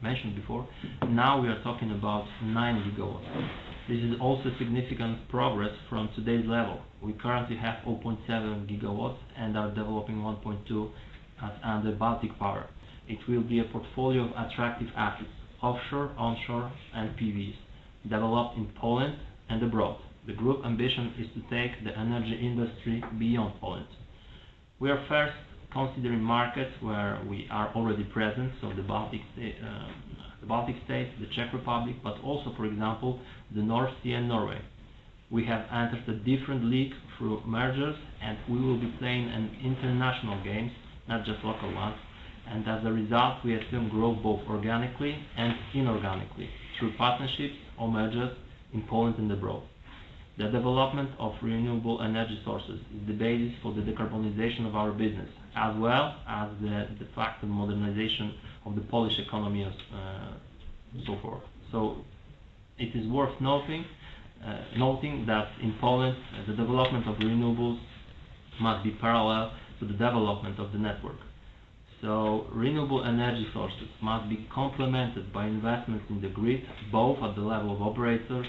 mentioned before. Now we are talking about 9 GW. This is also significant progress from today's level. We currently have 4.7 GW and are developing 1.2 under Baltic Power. It will be a portfolio of attractive assets, offshore, onshore, and PVs developed in Poland and abroad. The Group ambition is to take the energy industry beyond Poland. We are first considering markets where we are already present, so the Baltic States, the Czech Republic, but also, for example, the North Sea and Norway. We have entered a different league through mergers, and we will be playing an international game, not just local ones. As a result, we assume growth both organically and inorganically through partnerships or mergers in Poland and abroad. The development of renewable energy sources is the basis for the decarbonization of our business, as well as the fact of modernization of the Polish economy, so forth. It is worth noting that in Poland, the development of renewables must be parallel to the development of the network. Renewable energy sources must be complemented by investments in the grid, both at the level of operators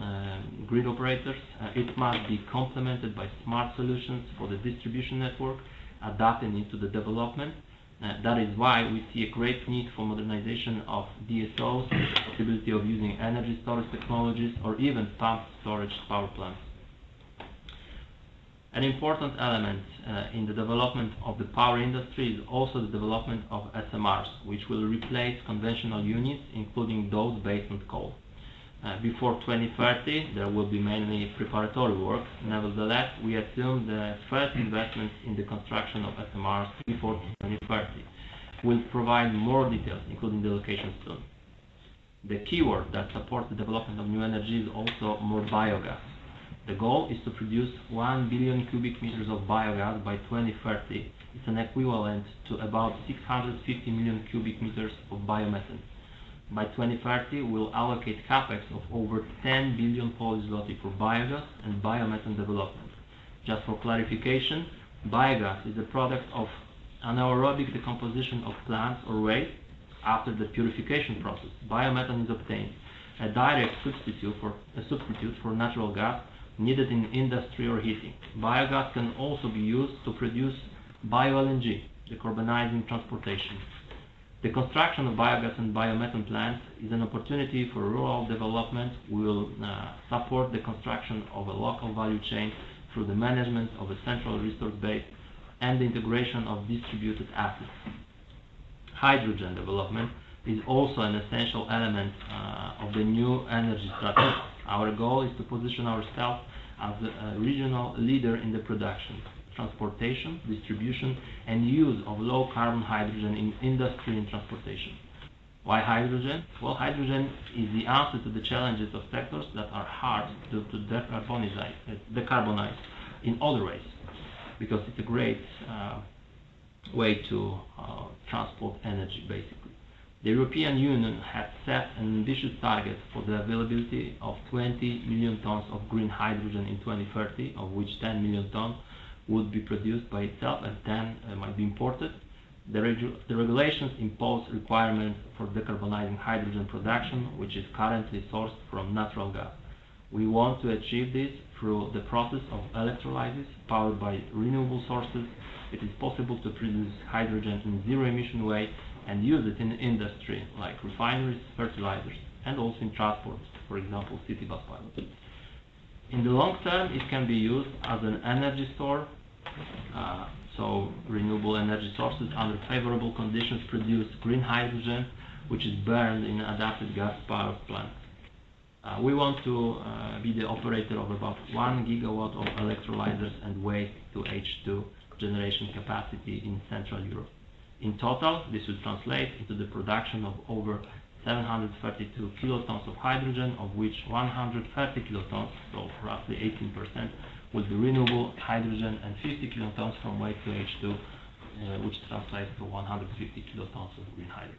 and grid operators. It must be complemented by smart solutions for the distribution network adapting into the development. That is why we see a great need for modernization of DSOs with the possibility of using energy storage technologies or even fast storage power plants. An important element in the development of the power industry is also the development of SMRs, which will replace conventional units, including those based on coal. Before 2030, there will be mainly preparatory work. Nevertheless, we assume the first investments in the construction of SMRs before 2030. We'll provide more details, including the locations soon. The keyword that supports the development of new energy is also more biogas. The goal is to produce 1 billion cubic meters of biogas by 2030. It's an equivalent to about 650 million cubic meters of biomethane. By 2030, we'll allocate CapEx of over 10 billion for biogas and biomethane development. Just for clarification, biogas is a product of anaerobic decomposition of plants or waste. After the purification process, biomethane is obtained. A direct substitute for natural gas needed in industry or heating. Biogas can also be used to produce bioLNG, decarbonizing transportation. The construction of biogas and biomethane plants is an opportunity for rural development. We will support the construction of a local value chain through the management of a central resource base and the integration of distributed assets. Hydrogen development is also an essential element of the new energy strategy. Our goal is to position ourself as a regional leader in the production, transportation, distribution, and use of low-carbon hydrogen in industry and transportation. Why hydrogen? Well, hydrogen is the answer to the challenges of sectors that are hard to decarbonize in other ways, because it's a great way to transport energy, basically. The European Union has set an ambitious target for the availability of 20 million tons of green hydrogen in 2030, of which 10 million tons would be produced by itself and 10 million tons might be imported. The regulations impose requirements for decarbonizing hydrogen production, which is currently sourced from natural gas. We want to achieve this through the process of electrolysis powered by renewable sources. It is possible to produce hydrogen in zero-emission way and use it in industry like refineries, fertilizers, and also in transport, for example, city bus pilot. In the long term, it can be used as an energy source. Renewable energy sources under favorable conditions produce green hydrogen, which is burned in adapted gas power plants. We want to be the operator of about 1 GW of electrolyzers and Waste-to-Hydrogen generation capacity in Central Europe. In total, this would translate into the production of over 732 kilotons of hydrogen, of which 130 kilotons, so roughly 18%, would be renewable hydrogen and 50 kilotons from waste to H2, which translates to 150 kilotons of green hydrogen.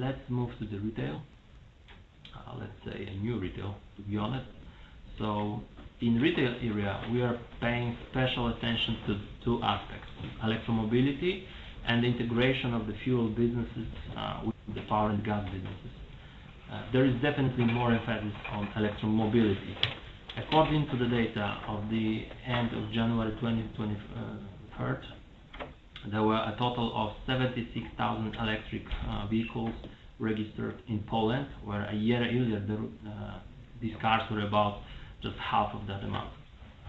Let's move to the retail. Let's say a new retail, to be honest. In retail area, we are paying special attention to two aspects, electromobility and the integration of the fuel businesses with the power and gas businesses. There is definitely more emphasis on electromobility. According to the data of the end of January 2023, there were a total of 76,000 electric vehicles registered in Poland, where a year earlier these cars were about just half of that amount.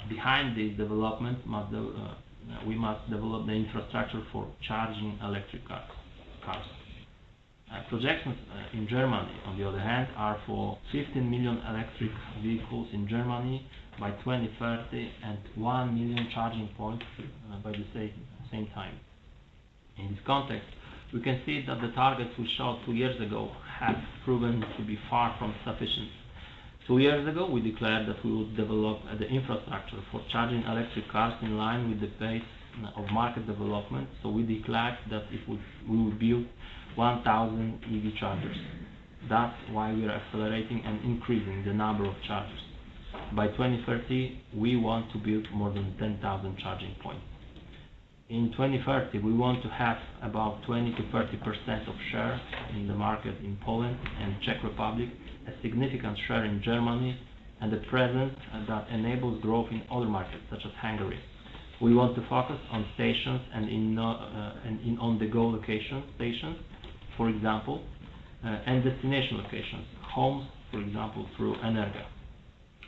Behind this development, we must develop the infrastructure for charging electric cars. Projections in Germany, on the other hand, are for 15 million electric vehicles in Germany by 2030 and 1 million charging points by the same time. In this context, we can see that the targets we showed two years ago have proven to be far from sufficient. Two years ago, we declared that we would develop the infrastructure for charging electric cars in line with the pace of market development. We declared that we would build 1,000 EV chargers. That's why we are accelerating and increasing the number of chargers. By 2030, we want to build more than 10,000 charging points. In 2030, we want to have about 20%-30% of share in the market in Poland and Czech Republic, a significant share in Germany, and a presence that enables growth in other markets, such as Hungary. We want to focus on stations and in on-the-go location stations, for example, and destination locations, homes, for example, through Energa.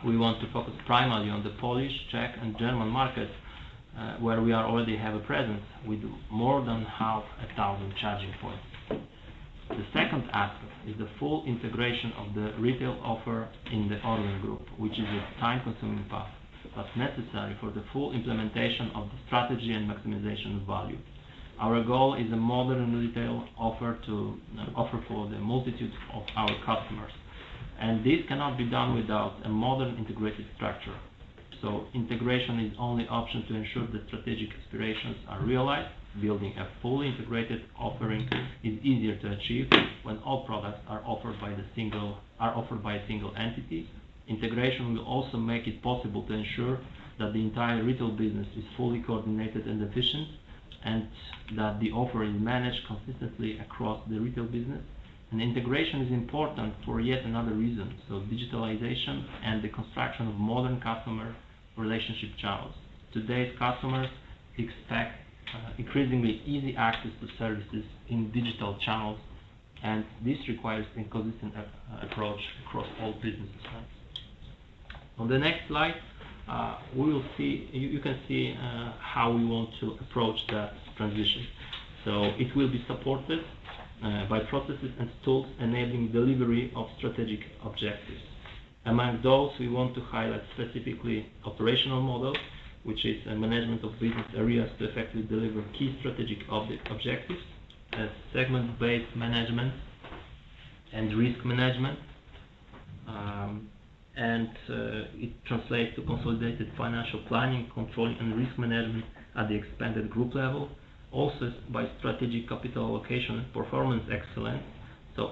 We want to focus primarily on the Polish, Czech, and German markets, where we are already have a presence with more than 500 charging points. The second aspect is the full integration of the retail offer in the ORLEN Group, which is a time-consuming path, but necessary for the full implementation of the strategy and maximization of value. Our goal is a modern retail offer to offer for the multitudes of our customers, this cannot be done without a modern integrated structure. Integration is only option to ensure that strategic aspirations are realized. Building a fully integrated offering is easier to achieve when all products are offered by a single entity. Integration will also make it possible to ensure that the entire retail business is fully coordinated and efficient, that the offer is managed consistently across the retail business. Integration is important for yet another reason. Digitalization and the construction of modern customer relationship channels. Today's customers expect increasingly easy access to services in digital channels, this requires a consistent approach across all business designs. On the next slide, you can see how we want to approach that transition. It will be supported by processes and tools enabling delivery of strategic objectives. Among those, we want to highlight specifically operational models, which is a management of business areas to effectively deliver key strategic objectives and segment-based management and risk management. It translates to consolidated financial planning, control, and risk management at the expanded group level. Also by strategic capital allocation and performance excellence.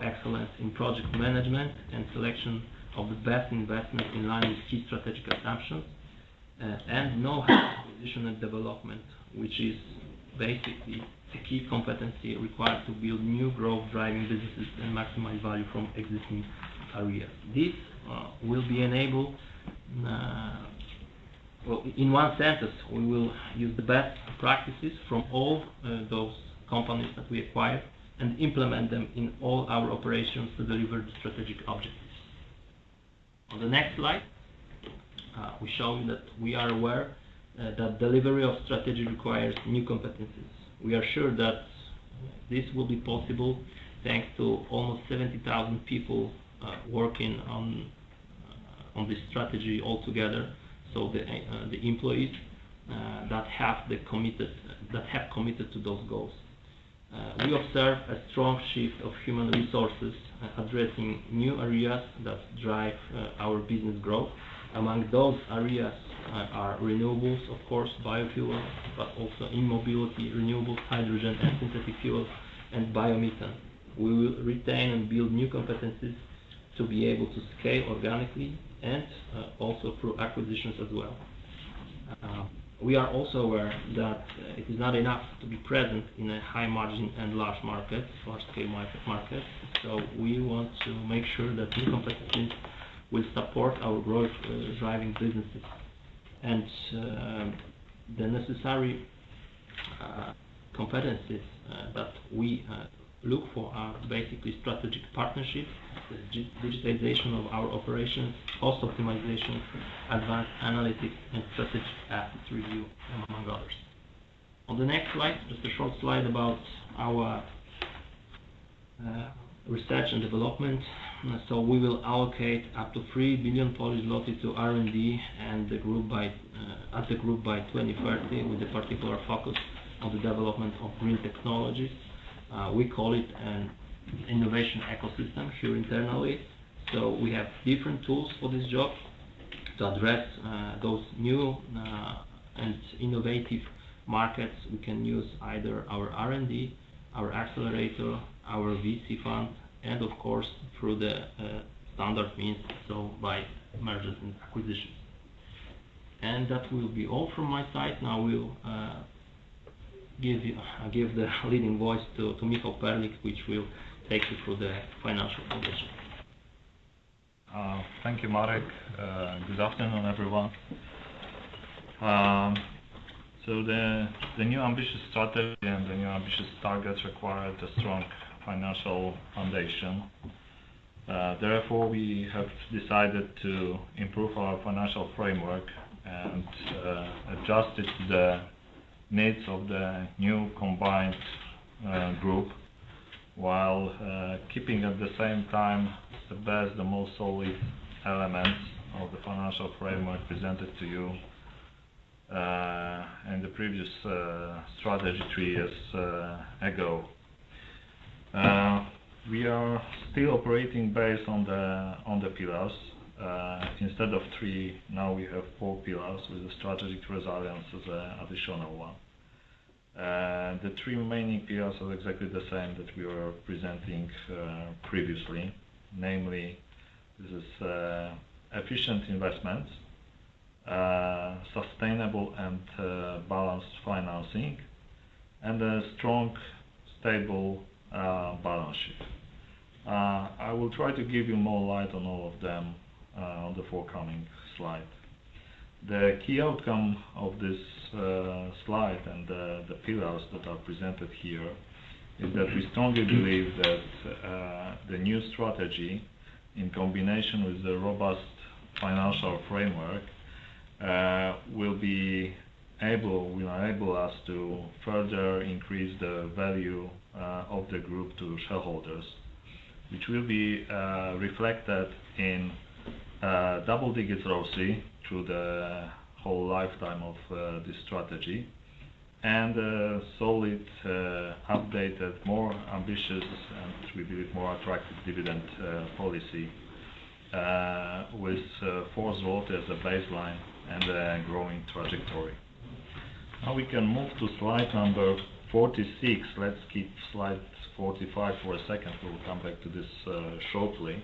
Excellence in project management and selection of the best investment in line with key strategic assumptions, and know-how acquisition and development, which is basically the key competency required to build new growth-driving businesses and maximize value from existing areas. This will be enabled. Well, in one sentence, we will use the best practices from all those companies that we acquire and implement them in all our operations to deliver the strategic objectives. On the next slide, we show that we are aware that delivery of strategy requires new competencies. We are sure that this will be possible thanks to almost 70,000 people working on this strategy altogether. The employees that have committed to those goals. We observe a strong shift of human resources addressing new areas that drive our business growth. Among those areas are renewables, of course, biofuels, but also e-mobility, renewables, hydrogen and synthetic fuels, and biomethane. We will retain and build new competencies to be able to scale organically and also through acquisitions as well. We are also aware that it is not enough to be present in a high margin and large market, large-scale market. We want to make sure that new competencies will support our growth, driving businesses. The necessary competencies that we look for are basically strategic partnerships, digitization of our operations, cost optimization, advanced analytics, and strategic asset review, among others. On the next slide, just a short slide about our research and development. We will allocate up to 3 billion Polish zloty to R&D as a group by 2030, with a particular focus on the development of green technologies. We call it an innovation ecosystem here internally. We have different tools for this job to address those new and innovative markets. We can use either our R&D, our accelerator, our VC fund, and of course, through the standard means, so by mergers and acquisitions. That will be all from my side. Now we'll give the leading voice to Michał Perlik, which will take you through the financial condition. Thank you, Marek. Good afternoon, everyone. The new ambitious strategy and the new ambitious targets required a strong financial foundation. Therefore, we have decided to improve our financial framework and adjust it to the needs of the new combined group, while keeping at the same time the best, the most solid elements of the financial framework presented to you in the previous strategy three years ago. We are still operating based on the pillars. Instead of three, now we have four pillars, with the strategic resilience as an additional one. The three remaining pillars are exactly the same that we were presenting previously. Namely, this is efficient investments, sustainable and balanced financing, and a strong, stable balance sheet. I will try to give you more light on all of them on the forthcoming slide. The key outcome of this slide and the pillars that are presented here is that we strongly believe that the new strategy in combination with the robust financial framework will enable us to further increase the value of the group to shareholders, which will be reflected in double digits mostly through the whole lifetime of this strategy and a solid, updated, more ambitious, and which will be with more attractive dividend policy, with PLN 4 as a baseline and a growing trajectory. Now we can move to slide number 46. Let's keep slide 45 for a second. We will come back to this shortly.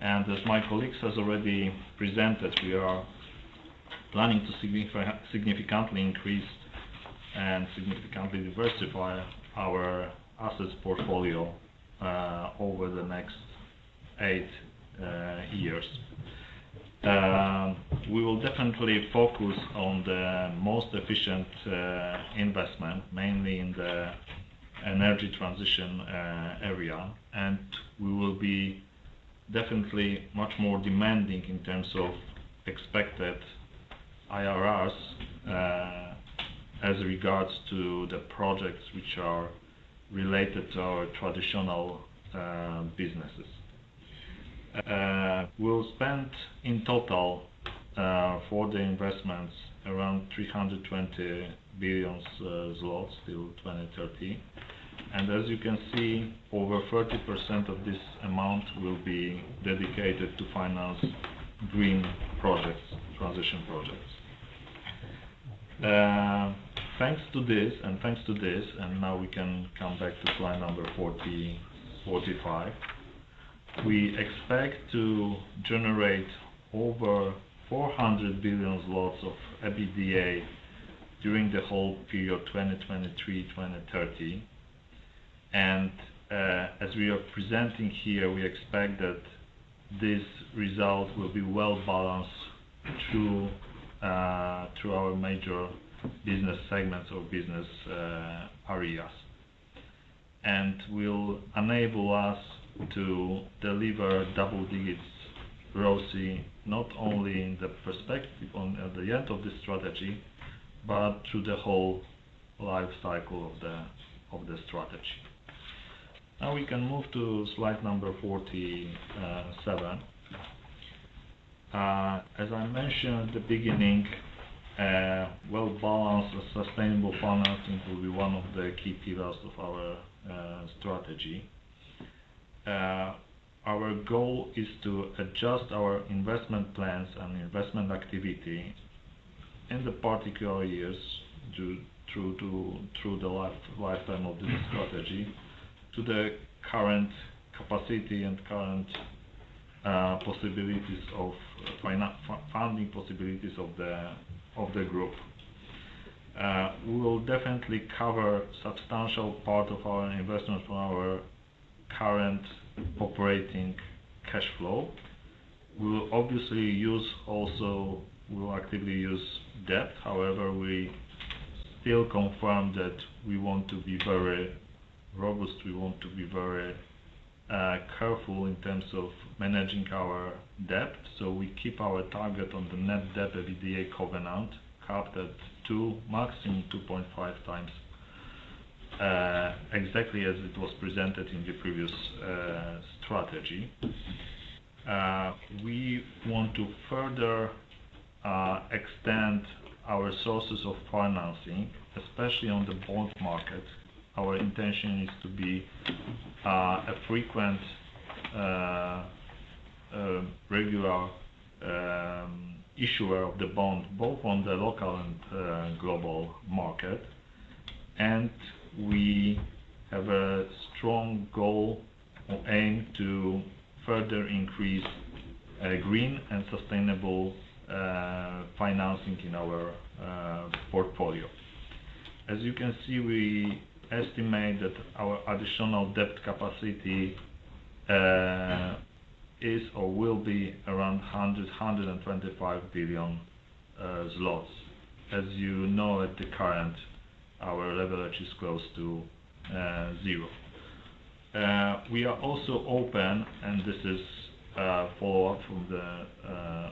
As my colleagues has already presented, we are planning to significantly increase and significantly diversify our assets portfolio over the next eight years. We will definitely focus on the most efficient investment, mainly in the energy transition area, and we will be definitely much more demanding in terms of expected IRRs as regards to the projects which are related to our traditional businesses. We'll spend in total for the investments around 320 billion zlotys till 2030. As you can see, over 30% of this amount will be dedicated to finance green projects, transition projects. Thanks to this, and now we can come back to slide number 45, we expect to generate over 400 billion of EBITDA during the whole period, 2023, 2030. As we are presenting here, we expect that this result will be well-balanced through our major business segments or business areas, and will enable us to deliver double digits ROCE not only in the perspective on the end of this strategy, but through the whole life cycle of the strategy. Now we can move to slide number 47. As I mentioned at the beginning, well-balanced and sustainable financing will be one of the key pillars of our strategy. Our goal is to adjust our investment plans and investment activity in the particular years through to, through the lifetime of this strategy to the current capacity and current possibilities of funding possibilities of the group. We will definitely cover substantial part of our investment from our current operating cash flow. We will obviously use also, we'll actively use debt. However, we still confirm that we want to be very robust, we want to be very careful in terms of managing our debt. We keep our target on the net debt EBITDA covenant capped at 2x, maximum 2.5x, exactly as it was presented in the previous strategy. We want to further extend our sources of financing, especially on the bond market. Our intention is to be a frequent, regular issuer of the bond, both on the local and global market. We have a strong goal or aim to further increase green and sustainable financing in our portfolio. As you can see, we estimate that our additional debt capacity is or will be around 100 billion zlotys, 125 billion. As you know, at the current, our leverage is close to zero. We are also open, and this is follow up from the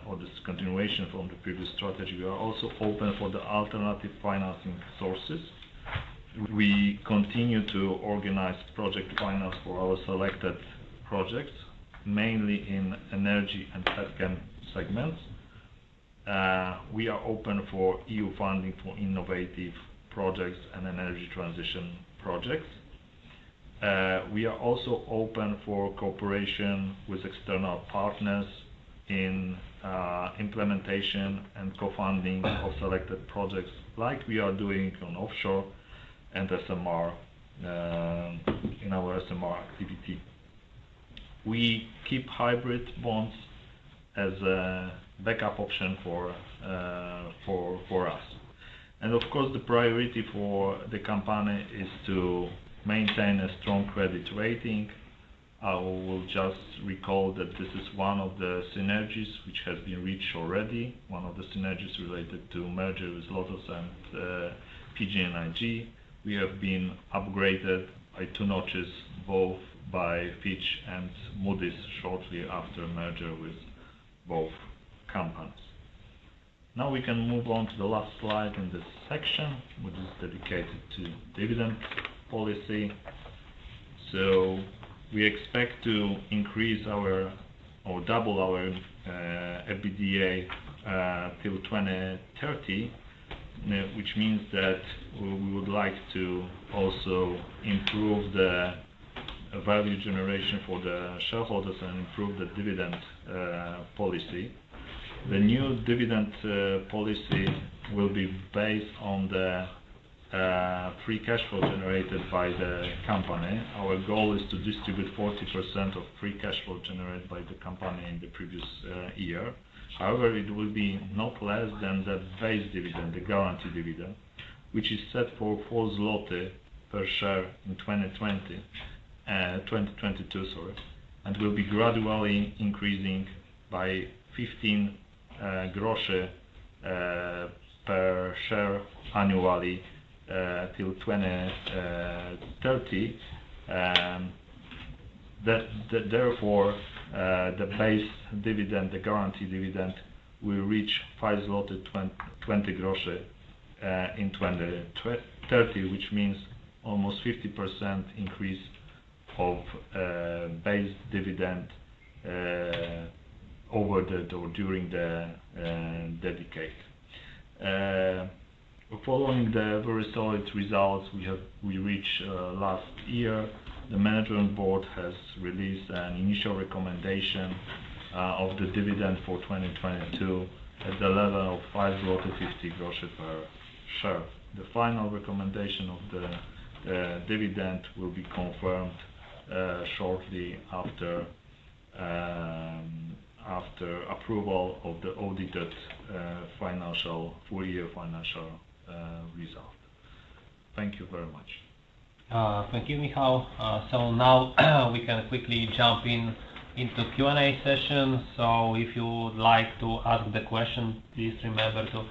or this continuation from the previous strategy, we are also open for the alternative financing sources. We continue to organize project finance for our selected projects, mainly in energy and FCAN segments. We are open for EU funding for innovative projects and energy transition projects. We are also open for cooperation with external partners in implementation and co-funding of selected projects like we are doing on offshore and SMR in our SMR activity. We keep hybrid bonds as a backup option for us. Of course, the priority for the company is to maintain a strong credit rating. I will just recall that this is one of the synergies which has been reached already, one of the synergies related to merger with Lotos and PGNiG. We have been upgraded by two notches, both by Fitch and Moody's, shortly after merger with both companies. We can move on to the last slide in this section, which is dedicated to dividend policy. We expect to double our EBITDA till 2030, which means that we would like to also improve the value generation for the shareholders and improve the dividend policy. The new dividend policy will be based on the free cash flow generated by the company. Our goal is to distribute 40% of free cash flow generated by the company in the previous year. It will be not less than the base dividend, the guaranteed dividend, which is set for 4 zloty per share in 2020, 2022, sorry, and will be gradually increasing by PLN 15 per share annually till 2030. Therefore, the base dividend, the guaranteed dividend will reach 5.20 zloty in 2030, which means almost 50% increase of base dividend over the decade. Following the very solid results we reached last year, the management board has released an initial recommendation of the dividend for 2022 at the level of 5.50 per share. The final recommendation of the dividend will be confirmed shortly after approval of the audited financial, full year financial result. Thank you very much. Thank you, Michał. Now we can quickly jump into Q&A session. If you would like to ask the question, please remember to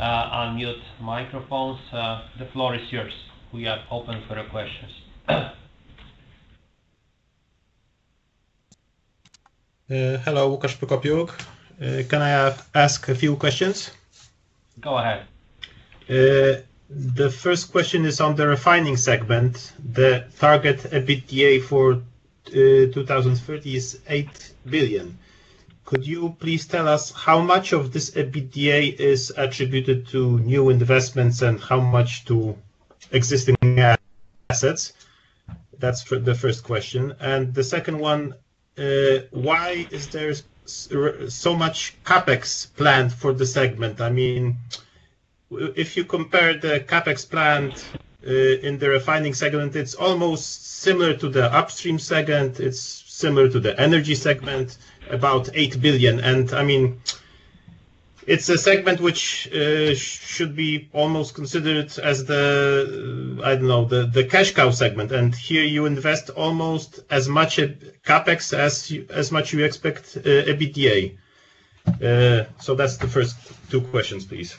unmute microphones. The floor is yours. We are open for your questions. Hello. Łukasz Kopeć. Ask a few questions? Go ahead. The first question is on the refining segment. The target EBITDA for 2030 is 8 billion. Could you please tell us how much of this EBITDA is attributed to new investments and how much to existing assets? That's for the first question. The second one, why is there so much CapEx planned for the segment? I mean, if you compare the CapEx planned in the refining segment, it's almost similar to the upstream segment. It's similar to the energy segment, about 8 billion. I mean, it's a segment which should be almost considered as the, I don't know, the cash cow segment. Here you invest almost as much CapEx as much you expect EBITDA. That's the first two questions, please.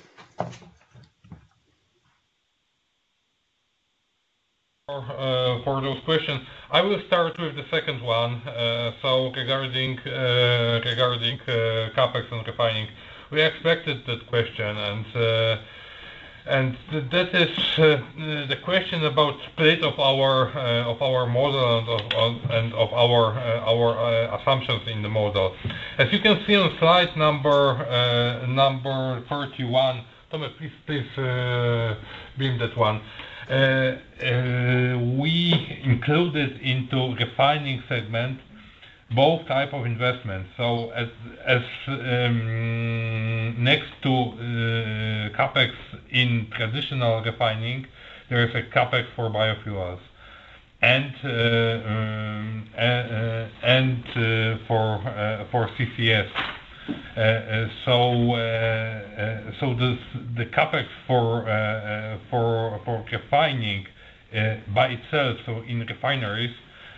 For those questions, I will start with the second one. Regarding CapEx and refining, we expected that question. This is the question about split of our model and of our assumptions in the model. As you can see on slide number 31. Tomek, please bring that one. We included into refining segment both type of investments. As next to CapEx in traditional refining, there is a CapEx for biofuels and for CCS. so the CapEx for refining by itself, so in refineries,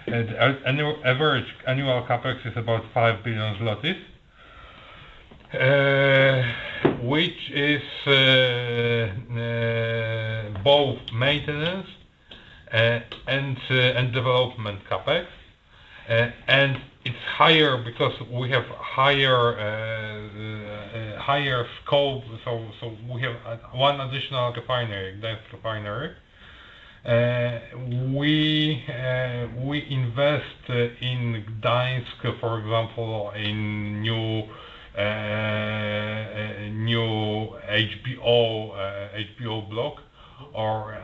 average annual CapEx is about PLN 5 billion, which is both maintenance and development CapEx. It's higher because we have higher scope, so we have one additional refinery, Gdańska refinery. We invest in Gdańska, for example, in new HBO block or...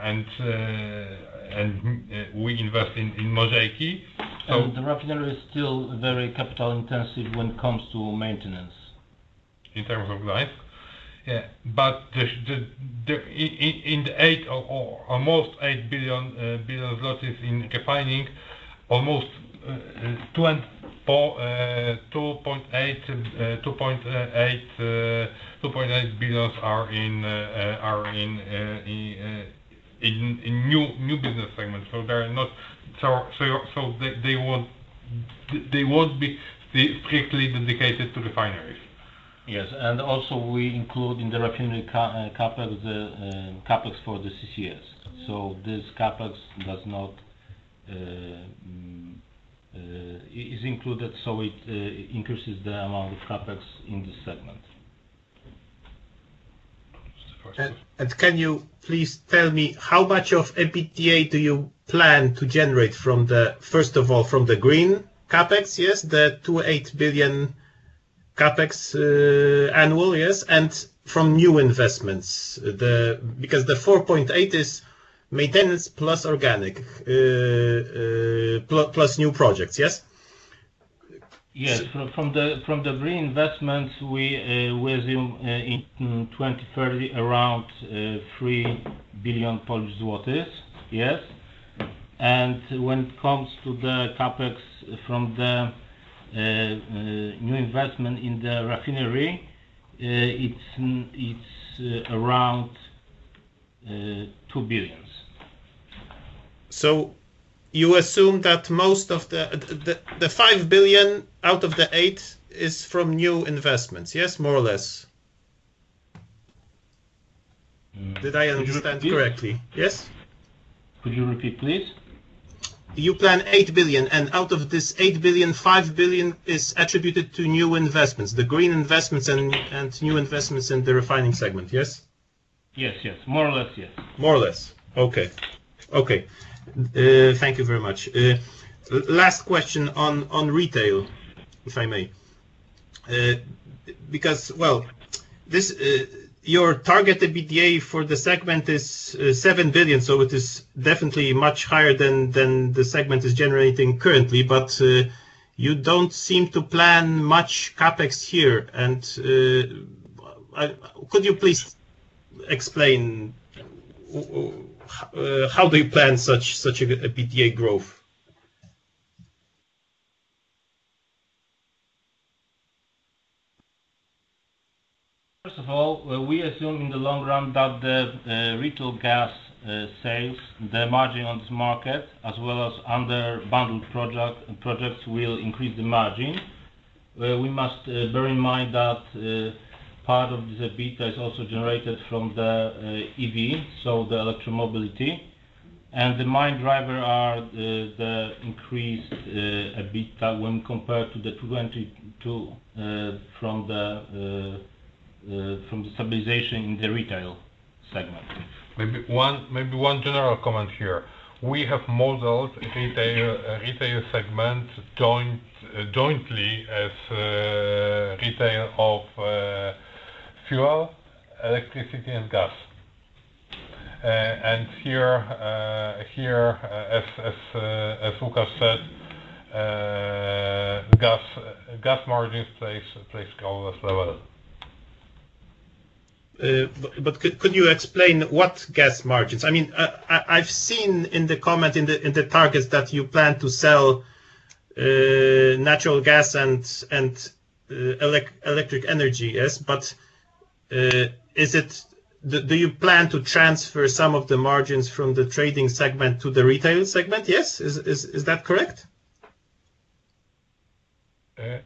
We invest in Mažeikiai. The refinery is still very capital-intensive when it comes to maintenance. In terms of life? Yeah. In the almost 8 billion in refining. Almost 2.8 billion are in new business segments. They won't be strictly dedicated to refineries. Yes. Also we include in the refinery CapEx, the CapEx for the CCS. This CapEx does not is included, it increases the amount of CapEx in this segment. Mr. Foster. Can you please tell me how much of EBITDA do you plan to generate from the first of all, from the green capex, yes? 2.8 billion capex annual, yes, and from new investments. Because the 4.8 billion is maintenance plus organic plus new projects, yes? Yes. From the green investments, we assume in 2030 around 3 billion Polish zlotys, yes. When it comes to the CapEx from the new investment in the refinery, it's around 2 billion. You assume that most of the 5 billion out of the 8 billion is from new investments, yes? More or less. Could you repeat? Did I understand correctly? Yes. Could you repeat, please? You plan 8 billion, out of this 8 billion, 5 billion is attributed to new investments, the green investments and new investments in the refining segment, yes? Yes, yes. More or less, yes. More or less. Okay. Okay. Thank you very much. Last question on retail, if I may. Because, well, this, your target EBITDA for the segment is 7 billion, so it is definitely much higher than the segment is generating currently. You don't seem to plan much CapEx here, and could you please explain how do you plan such EBITDA growth? First of all, we assume in the long run that the retail gas sales, the margin on this market, as well as other bundled projects will increase the margin, where we must bear in mind that part of this EBITDA is also generated from the EV, so the electromobility. The main driver are the increased EBITDA when compared to the 22 from the stabilization in the retail segment. Maybe one general comment here. We have modeled retail segment jointly as retail of fuel, electricity and gas. Here, as Lucas said, gas margins plays level. But could you explain what gas margins? I mean, I've seen in the comment in the targets that you plan to sell natural gas and electric energy, yes? Do you plan to transfer some of the margins from the trading segment to the retail segment, yes? Is that correct?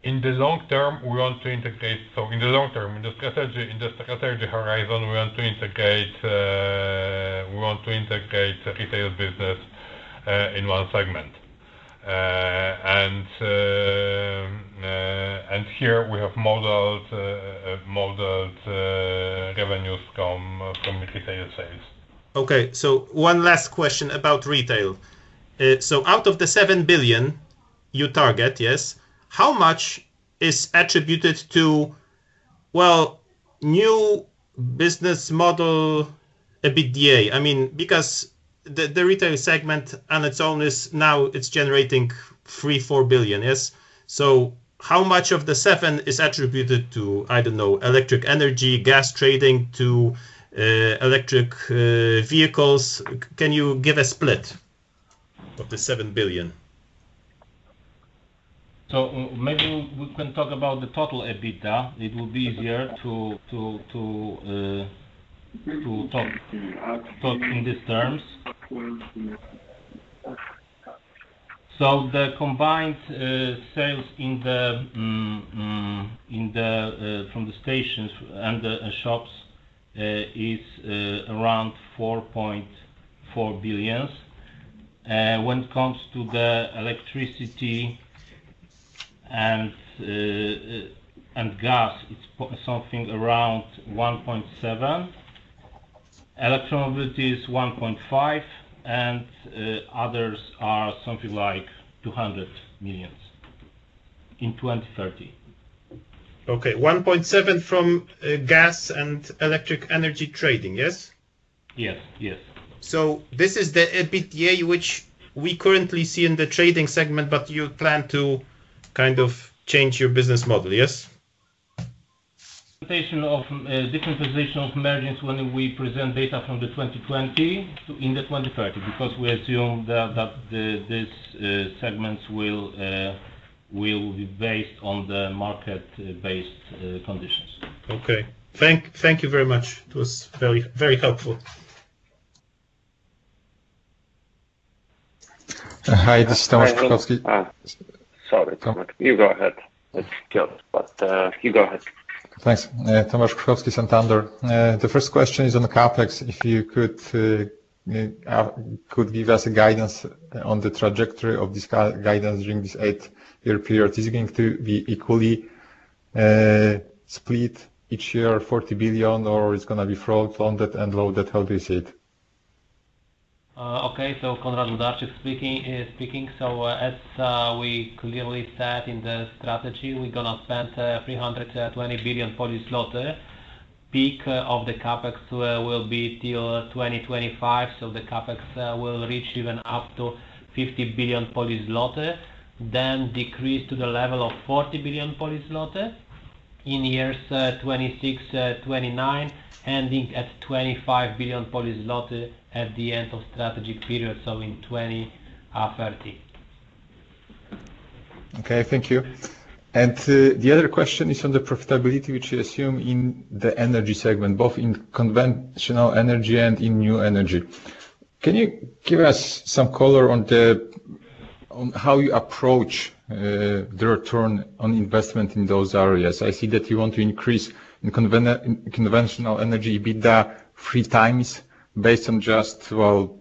In the long term, in the strategy horizon, we want to integrate, we want to integrate retail business in one segment. Here we have modeled revenues from retail sales. Okay. One last question about retail. Out of the 7 billion you target, yes, how much is attributed to, well, new business model EBITDA? I mean, because the retail segment on its own is now it's generating 3 billion-4 billion, yes? How much of the 7 billion is attributed to, I don't know, electric energy, gas trading to electric vehicles? Can you give a split of the 7 billion? Maybe we can talk about the total EBITDA. It will be easier to talk in these terms. The combined sales in the in the from the stations and the shops is around 4.4 billion. When it comes to the electricity and gas, it's something around 1.7 billion. Electromobility is 1.5 billion, and others are something like 200 million in 2030. Okay. 1.7 billion from gas and electric energy trading, yes? Yes, yes. This is the EBITDA which we currently see in the trading segment, but you plan to kind of change your business model, yes? Presentation of different positions, margins when we present data from the 2020 to in the 2030, because we assume that these segments will be based on the market-based conditions. Okay. Thank you very much. It was very, very helpful. Hi, this is Tomasz Sójka. Sorry, Tomasz. You go ahead. It's Piotr, but you go ahead. Thanks. Tomasz Sójka, Santander. The first question is on the CapEx. If you could give us a guidance on the trajectory of this guidance during this eight-year period. Is it going to be equally split each year 40 billion, or it's gonna be front-loaded and loaded? How do you see it? Okay. Konrad Włodarczyk speaking. As we clearly said in the strategy, we're gonna spend 320 billion. Peak of the CapEx will be till 2025. The CapEx will reach even up to 50 billion, then decrease to the level of 40 billion in years 2026-2029, ending at 25 billion at the end of strategic period, so in 2030. Okay, thank you. The other question is on the profitability which you assume in the energy segment, both in conventional energy and in new energy. Can you give us some color on how you approach the return on investment in those areas? I see that you want to increase in conventional energy, EBITDA 3x based on just, well,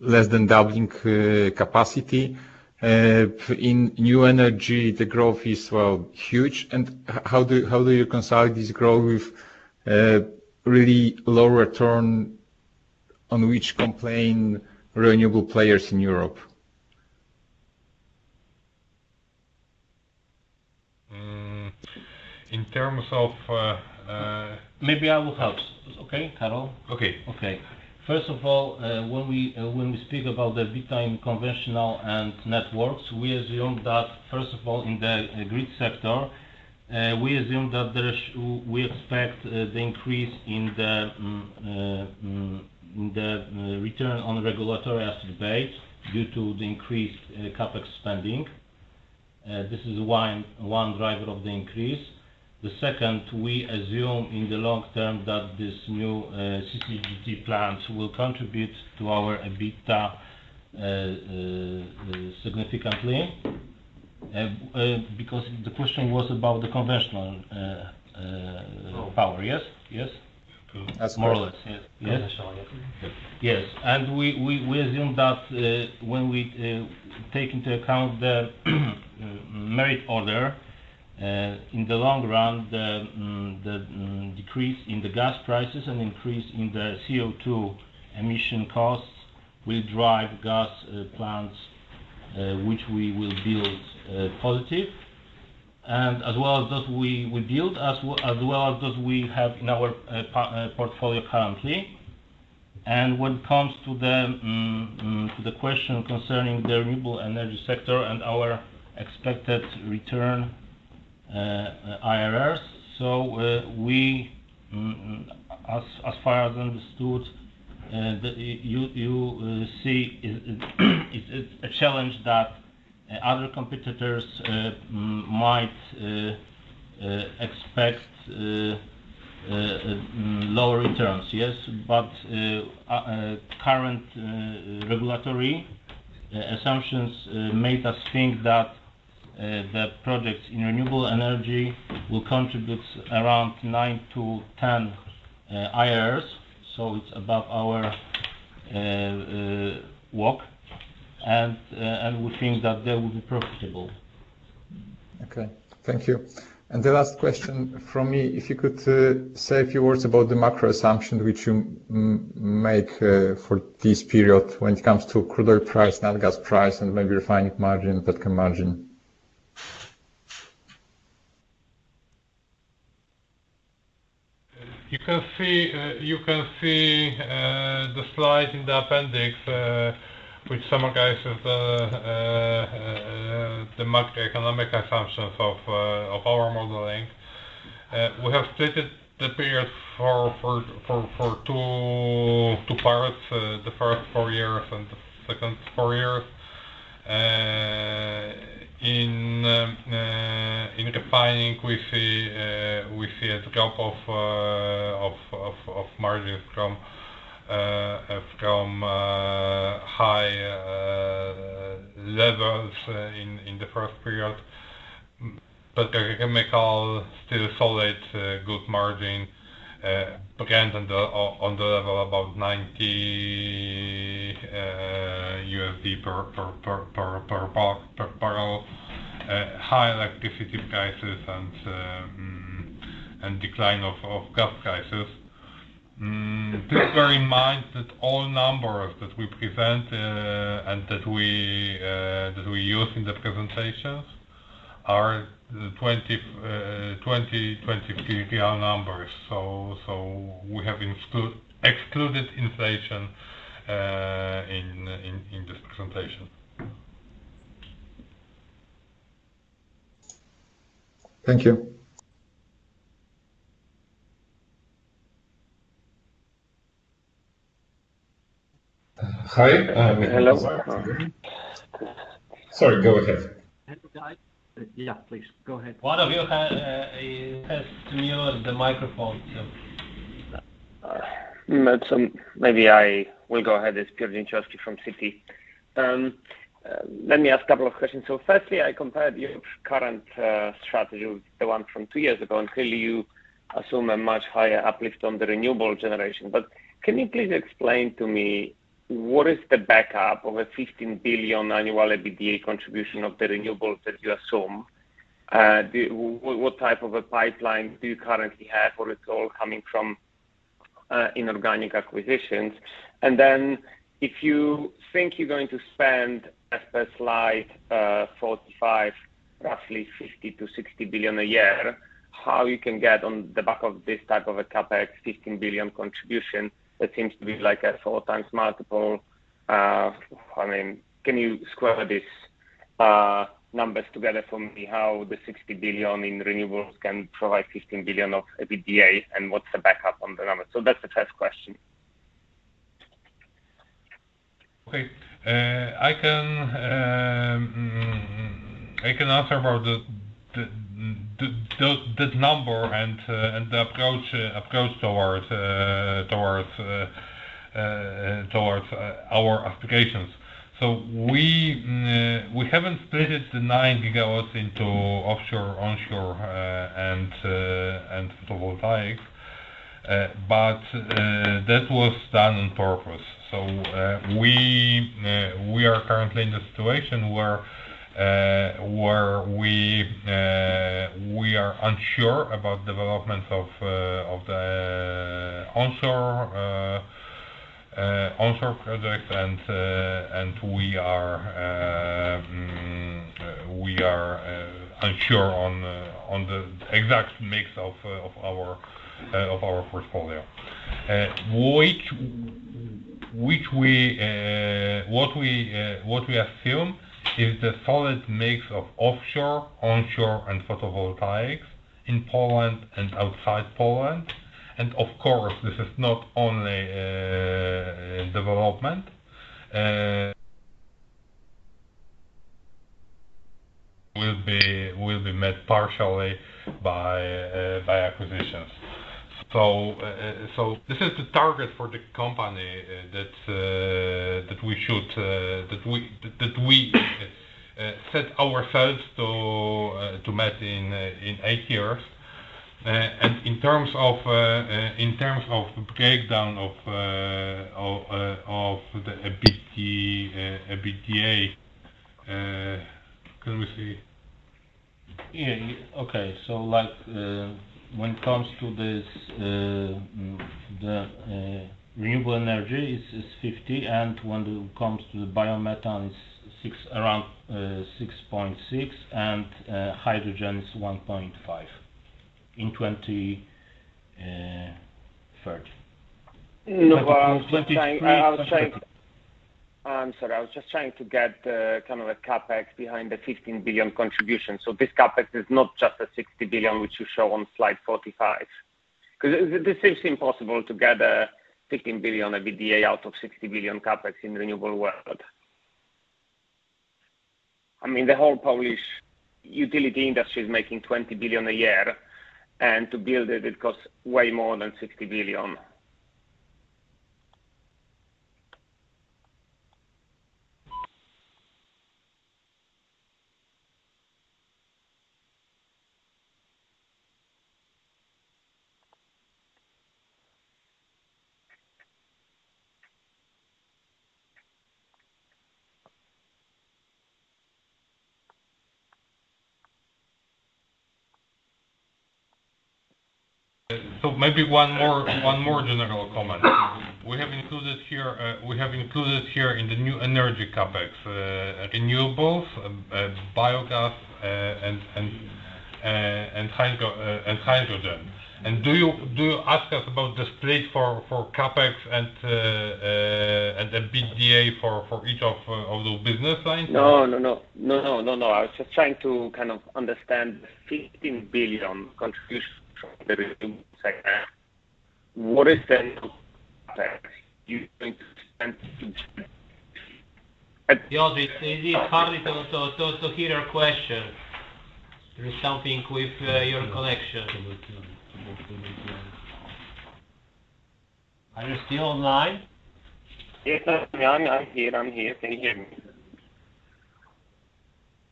less than doubling capacity. In new energy, the growth is, well, huge. how do you reconcile this growth with really low return on which complain renewable players in Europe? In terms of. Maybe I will help. Okay, Karol? Okay. Okay. First of all, when we speak about the EBITDA in conventional and networks, we assume that, first of all, in the grid sector, we expect the increase in the return on regulatory asset base due to the increased CapEx spending. This is one driver of the increase. The second, we assume in the long term that this new CCGT plant will contribute to our EBITDA significantly. Because the question was about the conventional power. Yes? Yes? That's more or less. Yes. Yes? Conventional, yes. Yes. We assume that when we take into account the merit order in the long run, the decrease in the gas prices and increase in the CO2 emission costs will drive gas plants which we will build positive. As well as those we build, as well as those we have in our portfolio currently. When it comes to the question concerning the renewable energy sector and our expected return, IRR, so we as far as understood, you see is it's a challenge that other competitors might expect lower returns? Yes? Current regulatory assumptions made us think that the projects in renewable energy will contribute around 9 IRRs-10 IRRs, so it's above our WACC. We think that they will be profitable. Okay. Thank you. The last question from me, if you could say a few words about the macro assumption which you make for this period when it comes to crude oil price, natural gas price, and maybe refining margin, petchem margin. You can see the slide in the appendix, which summarizes the macroeconomic assumptions of our modeling. We have stated the period for two parts, the first four years and the second four years. In refining, we see a drop of margins from high levels in the first period. Petrochemical still solid, good margin, again on the level about $90 per barrel. High electricity prices and decline of gas prices. Please bear in mind that all numbers that we present and that we use in the presentations are the 2023 period numbers. We have excluded inflation, in this presentation. Thank you. Hi. Hello. Sorry, go ahead. Yeah, please go ahead. One of you has to mute the microphone, so... Maybe I will go ahead. It's Piotr Janczewski from Citi. Let me ask a couple of questions. Firstly, I compared your current strategy with the one from two years ago, clearly you assume a much higher uplift on the renewable generation. Can you please explain to me what is the backup of a 15 billion annual EBITDA contribution of the renewables that you assume? What type of a pipeline do you currently have, or it's all coming from inorganic acquisitions? If you think you're going to spend, as per slide 45, roughly 50 billion-60 billion a year, how you can get on the back of this type of a CapEx, 15 billion contribution? That seems to be like a 4x multiple. I mean, can you square these numbers together for me, how the 60 billion in renewables can provide 15 billion of EBITDA, and what's the backup on the numbers? That's the first question. Okay, I can answer about this number and the approach towards our aspirations. We haven't split the 9 GW into offshore, onshore, and photovoltaic, but that was done on purpose. We are currently in the situation where we are unsure about developments of the onshore projects and we are unsure on the exact mix of our portfolio. Which we assume is the solid mix of offshore, onshore and photovoltaics in Poland and outside Poland. Of course, this is not only development will be met partially by acquisitions. This is the target for the company that we should that we set ourselves to meet in eight years. In terms of breakdown of the EBITDA, can we see? Yeah. Okay. When it comes to this, renewable energy is 50, and when it comes to the biomethane, it's around 6.6, and hydrogen is 1.5 in 2030. No, I was just trying... In 2023. I'm sorry. I was just trying to get, kind of a CapEx behind the 15 billion contribution. This CapEx is not just a 60 billion, which you show on slide 45. This seems impossible to gather 15 billion EBITDA out of 60 billion CapEx in renewable world. I mean, the whole Polish utility industry is making 20 billion a year, and to build it costs way more than 60 billion. Maybe one more general comment. We have included here in the new energy CapEx, renewables, biogas, and hydrogen. Do you ask us about the split for CapEx and EBITDA for each of those business lines? No, no. No, no, no. I was just trying to kind of understand the 15 billion contribution from the renewables segment. What is the CapEx you're going to spend? József, it is hard to hear your question. There is something with your connection. Are you still online? Yes, I'm here. I'm here. Can you hear me?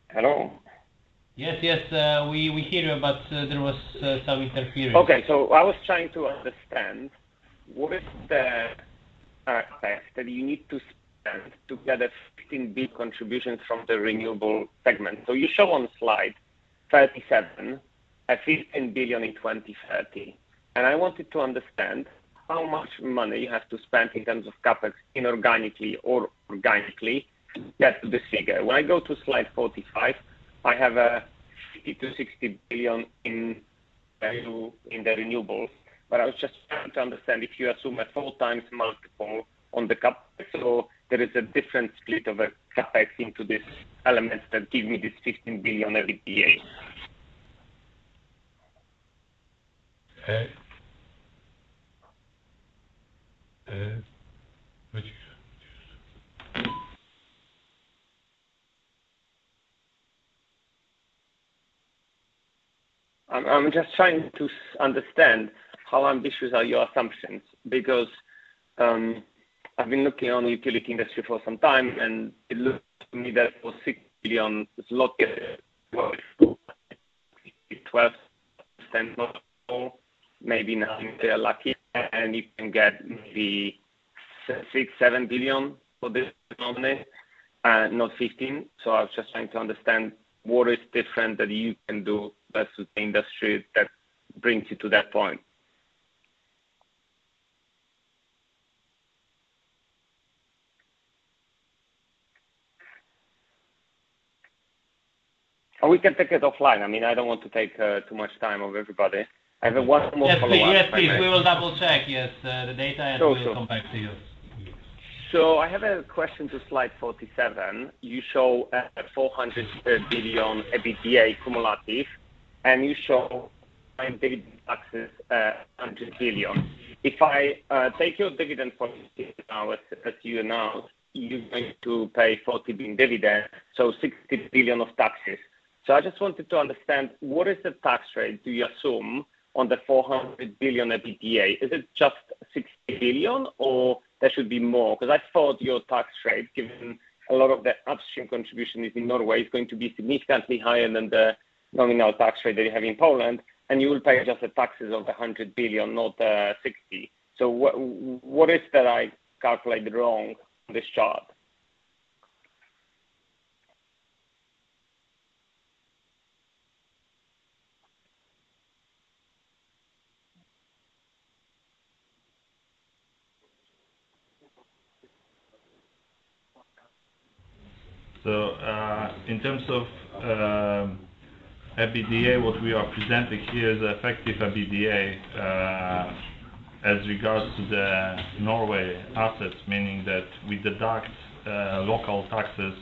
Hello? Yes, yes, we hear you, but there was some interference. I was trying to understand what is the CapEx that you need to spend to get a 15 big contribution from the renewable segment. You show on slide 37, a 15 billion in 2030, and I wanted to understand how much money you have to spend in terms of CapEx inorganically or organically to get to this figure. When I go to slide 45, I have 50 billion-60 billion in value in the renewables. I was just trying to understand if you assume a 4x multiple on the CapEx or there is a different split of CapEx into these elements that give me this 15 billion EBITDA. Matias. I'm just trying to understand how ambitious are your assumptions, because I've been looking on the utility industry for some time, It looks to me that for $60 billion is a lot, 12% multiple, maybe 19% if they are lucky, and you can get maybe $6 billion-$7 billion for this company, not $15. I was just trying to understand what is different that you can do versus the industry that brings you to that point. We can take it offline. I mean, I don't want to take too much time of everybody. I have one more follow-up. Yes, please. Yes, please. We will double-check, yes. Sure, sure. We'll come back to you. I have a question to slide 47. You show 400 billion EBITDA cumulative, and you show dividend taxes, 100 billion. If I take your dividend policy now, as you announce, you're going to pay 40 billion dividend, so 60 billio of taxes. I just wanted to understand, what is the tax rate do you assume on the 400 billion EBITDA? Is it just 60 billion or there should be more? I thought your tax rate, given a lot of the upstream contribution is in Norway, is going to be significantly higher than the nominal tax rate that you have in Poland, and you will pay just the taxes of 100 billion, not 60 billion. What is that I calculated wrong on this chart? In terms of EBITDA, what we are presenting here is the effective EBITDA as regards to the Norway assets, meaning that we deduct local taxes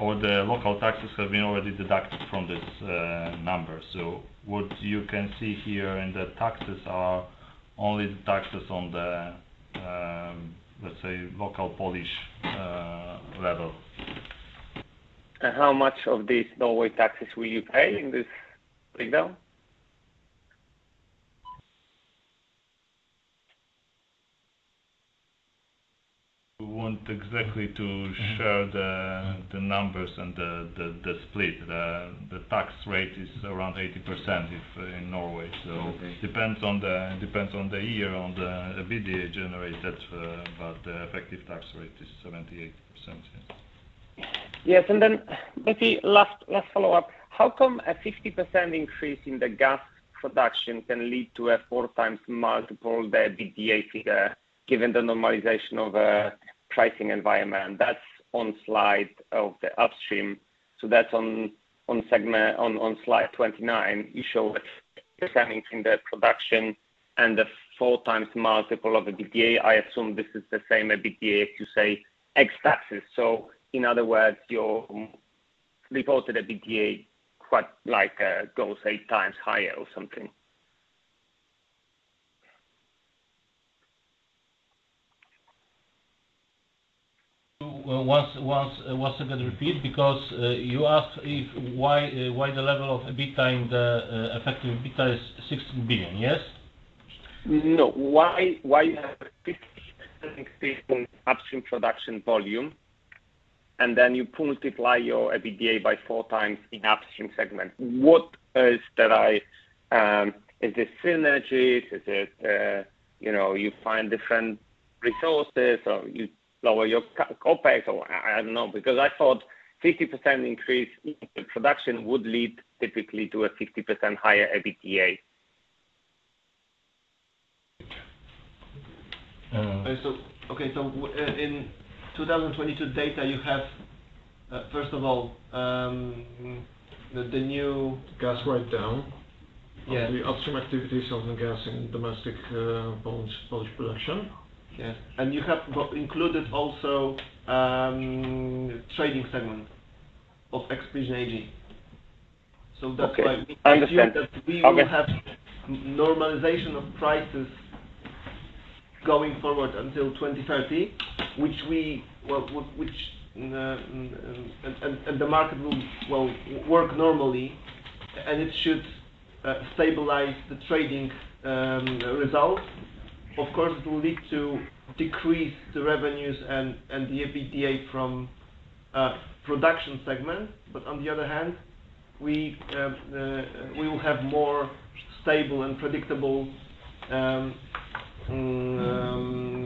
or the local taxes have been already deducted from this number. What you can see here in the taxes are only the taxes on the, let's say, local Polish level. How much of these Norway taxes will you pay in this write-down? We want exactly to share the numbers and the, the split. The, the tax rate is around 80% if in Norway. Okay. Depends on the year, on the EBITDA generated, but the effective tax rate is 78%. Yes. Maybe last follow-up. How come a 50% increase in the gas production can lead to a 4x multiple the EBITDA figure, given the normalization of pricing environment? That's on slide of the upstream. That's on slide 29. You show a 50% in the production and a 4x multiple of EBITDA. I assume this is the same EBITDA to say, ex taxes. In other words, your reported EBITDA quite like goes 8x higher or something. Once again, repeat, because you asked why the level of EBITDA and effective EBITDA is 16 billion. Yes? No. Why you have a 50% increase in upstream production volume, and then you multiply your EBITDA by 4x in upstream segment? What is that? Is it synergies? Is it, you know, you find different resources or you lower your CapEx or? I don't know, because I thought 50% increase in production would lead typically to a 50% higher EBITDA. Um- Okay, in 2022 data you have, first of all. Gas write-down. Yes ...of the upstream activities of the gas and domestic Polish production. Yes. You have included also, trading segment of Exxon Mobil AG. That's why. Okay. I understand. We assume that we will have normalization of prices going forward until 2030, which the market will work normally, and it should stabilize the trading results. Of course, it will lead to decrease the revenues and the EBITDA from production segment. On the other hand, we will have more stable and predictable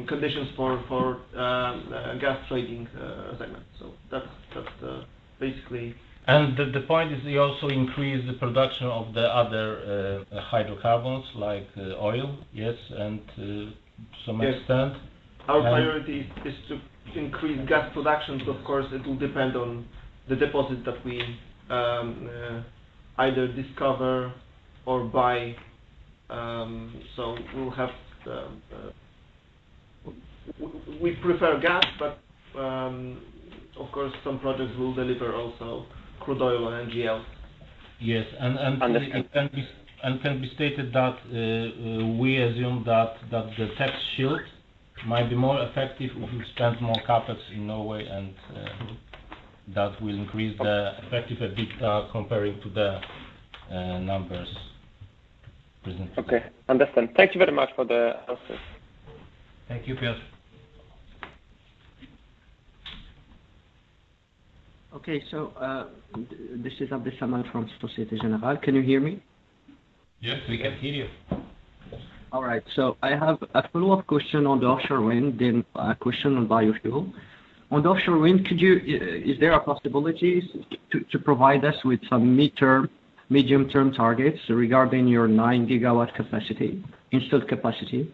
conditions for gas trading segment. That's basically... The point is you also increase the production of the other hydrocarbons like oil. Yes. To some extent. Our priority is to increase gas production. Of course, it will depend on the deposit that we either discover or buy. We'll have the... We prefer gas, but of course, some projects will deliver also crude oil and NGL. Yes. Understand. Can be stated that we assume that the tax shield might be more effective if we spend more CapEx in Norway and that will increase the effective EBITDA comparing to the numbers presented. Okay. Understand. Thank you very much for the answers. Thank you, Piotr. This is Abdessalam from Societe Generale. Can you hear me? Yes, we can hear you. All right. I have a follow-up question on the offshore wind, then a question on biofuel. On the offshore wind, could you, is there a possibility to provide us with some midterm, medium-term targets regarding your 9 GW capacity, installed capacity?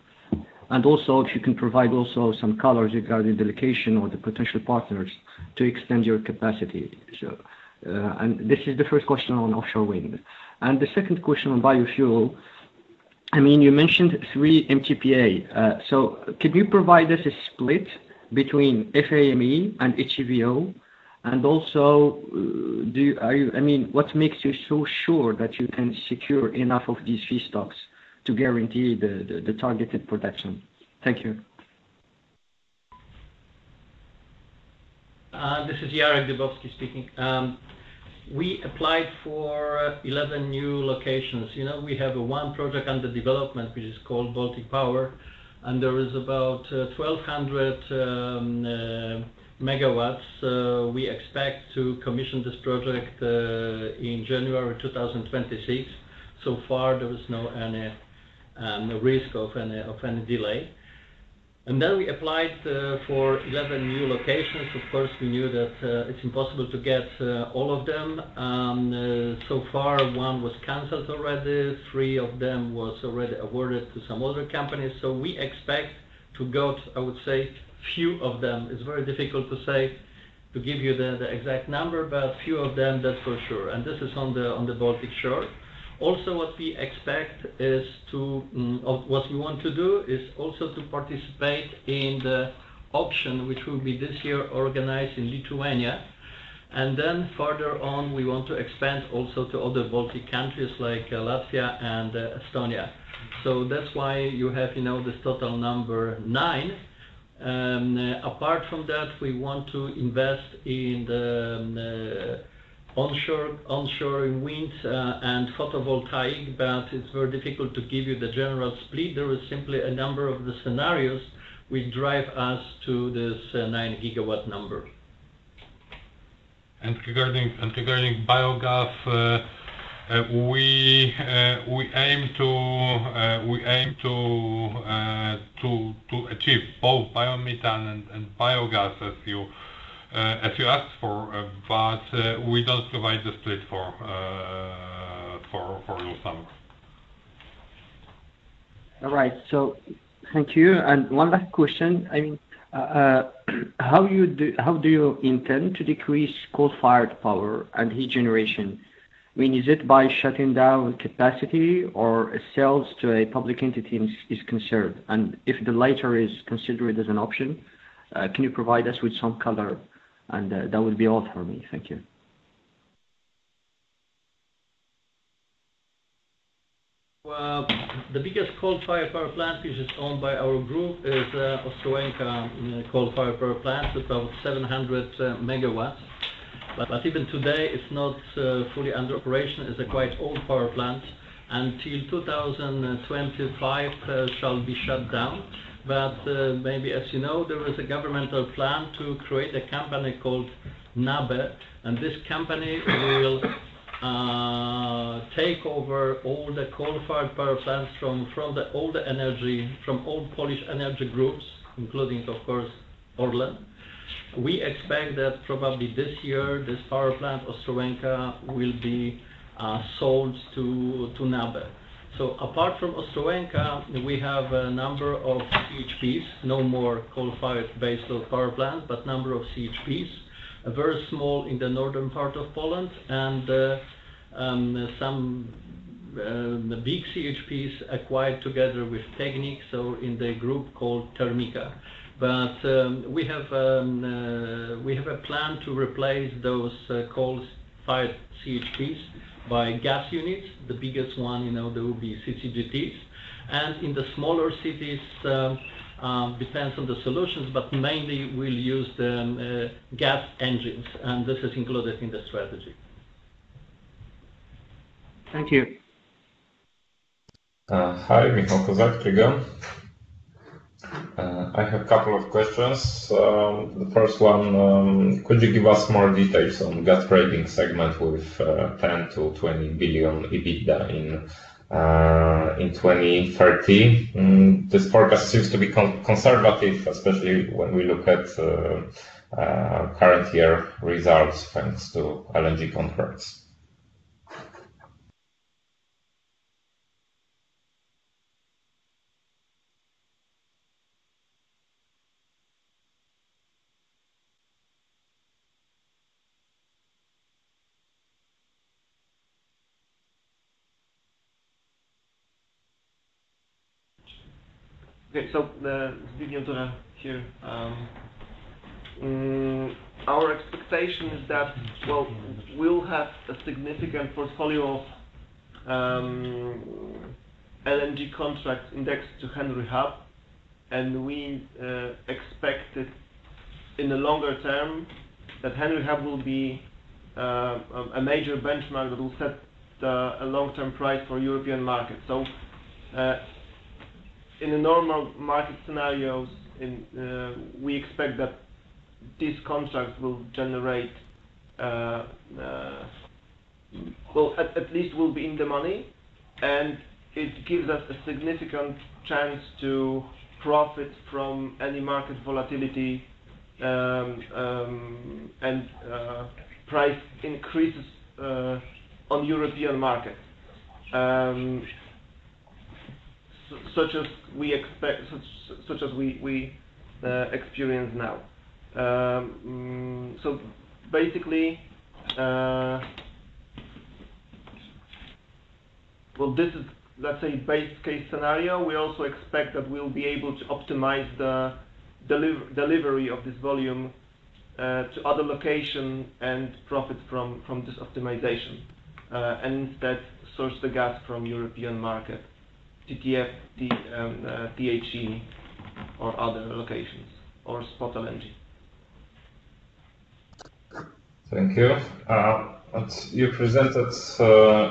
Also, if you can provide also some colors regarding the location or the potential partners to extend your capacity. This is the first question on offshore wind. The second question on biofuel, I mean, you mentioned 3 MTPA. Could you provide us a split between FAME and HVO? Also, are you, I mean, what makes you so sure that you can secure enough of these feedstocks to guarantee the targeted production? This is Jarosław Dybowski speaking. We applied for 11 new locations. You know, we have 1 project under development, which is called Baltic Power, and there is about 1,200 MW. We expect to commission this project in January 2026. So far, there is no any risk of any delay. We applied for 11 new locations. Of course, we knew that it's impossible to get all of them. So far, one was canceled already, three of them was already awarded to some other companies. We expect to get, I would say, few of them. It's very difficult to say, to give you the exact number, but few of them, that's for sure. This is on the Baltic shore. What we expect is to, or what we want to do is also to participate in the auction, which will be this year organized in Lithuania. Further on, we want to expand also to other Baltic countries like Latvia and Estonia. That's why you have, you know, this total number 9 GW. Apart from that, we want to invest in the onshore winds and photovoltaic. It's very difficult to give you the general split. There is simply a number of the scenarios will drive us to this 9 GW number. Regarding biogas, we aim to achieve both biomethane and biogas, as you asked for, we don't provide the split for your sum. Thank you. One last question. I mean, how do you intend to decrease coal-fired power and heat generation? I mean, is it by shutting down capacity or sales to a public entity is concerned? If the latter is considered as an option, can you provide us with some color? That would be all for me. Thank you. The biggest coal-fired power plant, which is owned by our group, is Ostroleka coal-fired power plant. It's about 700 MW. Even today, it's not fully under operation. It's a quite old power plant. Until 2025, it shall be shut down. Maybe as you know, there is a governmental plan to create a company called NABE. This company will take over all the coal-fired power plants from the older energy, from old Polish energy groups, including, of course, Orlen. We expect that probably this year, this power plant, Ostrołęka, will be sold to NABE. Apart from Ostrołęka, we have a number of CHPs, no more coal-fired base load power plant, but number of CHPs, a very small in the northern part of Poland and some big CHPs acquired together with Termika, so in the group called Termika. We have a plan to replace those coal-fired CHPs by gas units. The biggest one, you know, there will be CCGTs. In the smaller cities, depends on the solutions, but mainly we'll use the gas engines, and this is included in the strategy. Thank you. Hi, Michał Kozak again. I have a couple of questions. The first one, could you give us more details on gas trading segment with 10 billion-20 billion EBITDA in 2030? This forecast seems to be conservative, especially when we look at current year results, thanks to LNG contracts. Okay. Stanisław Piekarski here. Our expectation is that, well, we'll have a significant portfolio of LNG contracts indexed to Henry Hub, and we expect it in the longer term that Henry Hub will be a major benchmark that will set the a long-term price for European markets. In the normal market scenarios in, we expect that these contracts will generate. Well, at least will be in the money, and it gives us a significant chance to profit from any market volatility and price increases on European market, such as we expect, such as we experience now. Basically, well, this is, let's say, base case scenario. We also expect that we'll be able to optimize the delivery of this volume to other location and profit from this optimization, instead source the gas from European market, TTF, THE or other locations or spot LNG. Thank you. You presented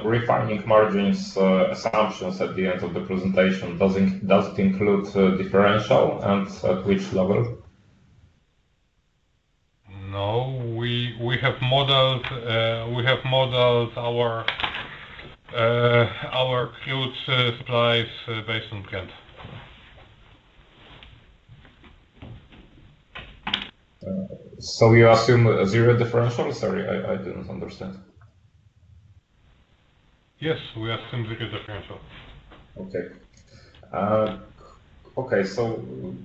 refining margins assumptions at the end of the presentation. Does it include differential and at which level? No. We have modeled our crude supplies based on Brent. You assume zero differential? Sorry, I didn't understand. Yes, we assume 0 differential. Okay. Okay.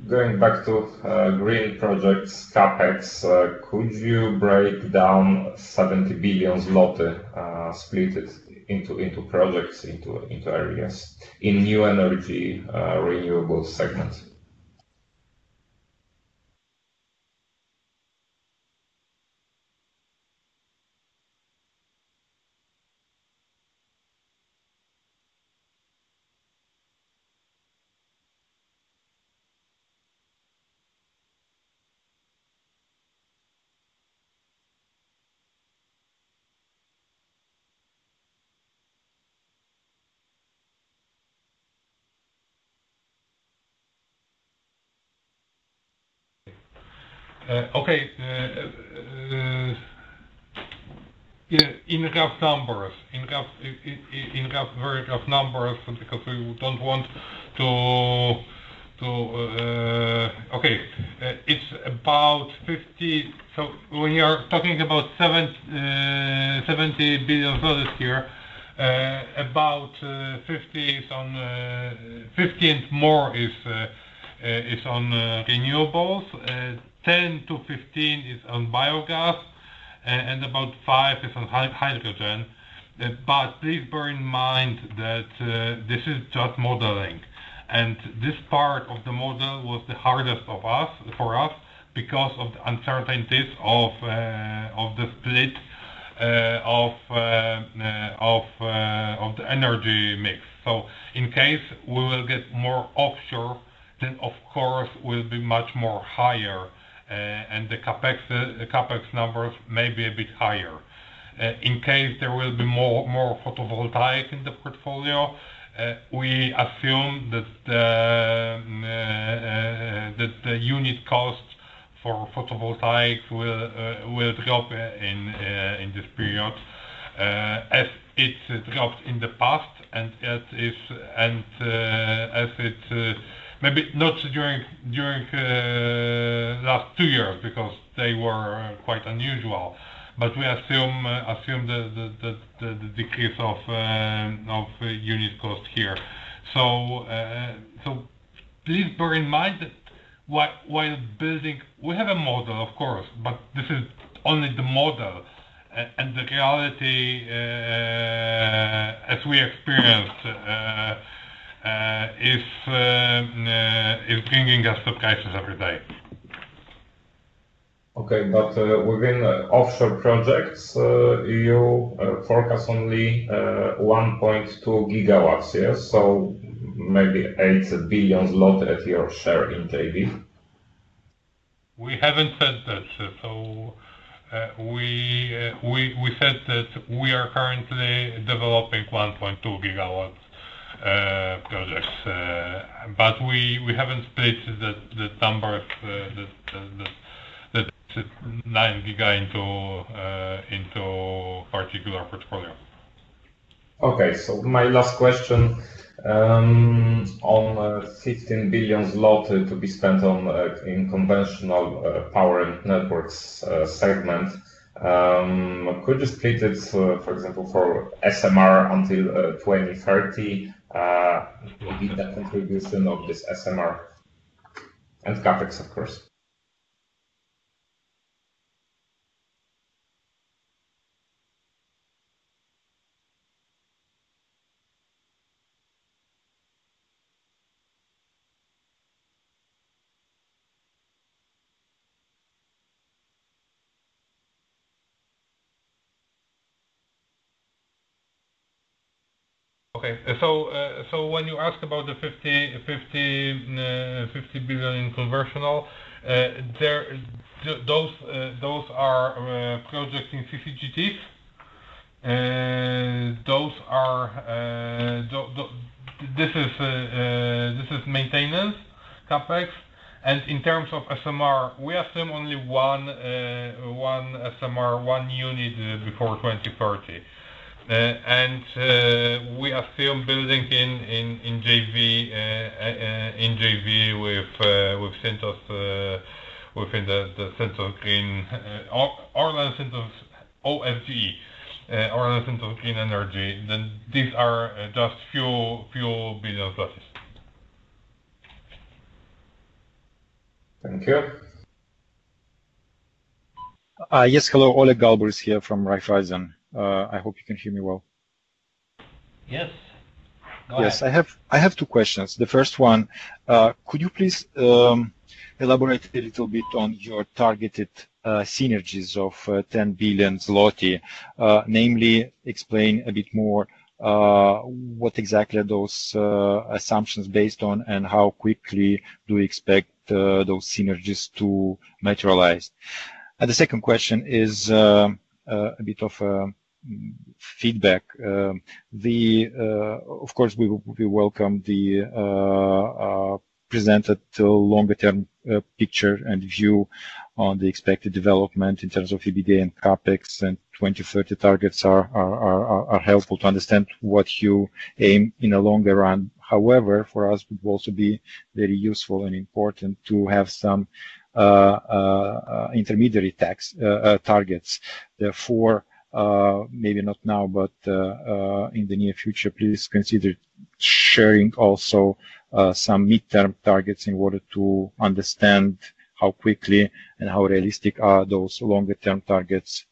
Going back to green projects CapEx, could you break down 70 billion zloty, split it into projects, into areas in new energy, renewable segments? Okay. In rough numbers. In rough, very rough numbers, because we don't want to. Okay. When you're talking about seven, PLN 70 billion here, about 50 billion is on, 15 billionmore is on renewables. 10 billion-15 billion is on biogas, and about 5 billion is on hydrogen. Please bear in mind that this is just modeling, and this part of the model was the hardest of us, for us because of the uncertainties of the split of the energy mix. In case we will get more offshore, then of course will be much more higher. The CapEx, the CapEx numbers may be a bit higher. In case there will be more photovoltaic in the portfolio, we assume that the unit cost for photovoltaic will drop in this period, as it dropped in the past and as it maybe not during last two years because they were quite unusual. We assume the decrease of unit cost here. Please bear in mind that while building, we have a model, of course, but this is only the model. The reality, as we experience, is bringing us surprises every day. Okay. Within offshore projects, you forecast only 1.2 GW, yes? Maybe 8 billion at your share in JV. We haven't said that. We said that we are currently developing 1.2 GW, projects. We haven't stated that the numbers, the 9 GW into particular portfolio. My last question on 16 billion zloty to be spent on in conventional power and networks segment. Could you split it, for example, for SMR until 2030? Maybe the contribution of this SMR. CapEx, of course. Okay. When you ask about the 50 billion in conversional, those are projects in CCGTs. Those are this is maintenance CapEx. In terms of SMR, we assume only 1 SMR, 1 unit before 2030. We are still building in JV in JV with Synthos within the Synthos Green Orlen Synthos OFE Orlen Synthos Green Energy. These are just few billion PLN. Thank you. Yes. Hello. Oleg Galbur is here from Raiffeisen. I hope you can hear me well. Yes. Go ahead. Yes. I have two questions. The first one, could you please elaborate a little bit on your targeted synergies of 10 billion zloty? Namely explain a bit more what exactly are those assumptions based on, and how quickly do you expect those synergies to materialize? The second question is a bit of feedback. Of course, we welcome the presented longer-term picture and view on the expected development in terms of EBITDA and CapEx, 2030 targets are helpful to understand what you aim in a longer run. However, for us it would also be very useful and important to have some intermediary tax targets. Maybe not now, but, in the near future, please consider sharing also, some midterm targets in order to understand how quickly and how realistic are those longer-term targets,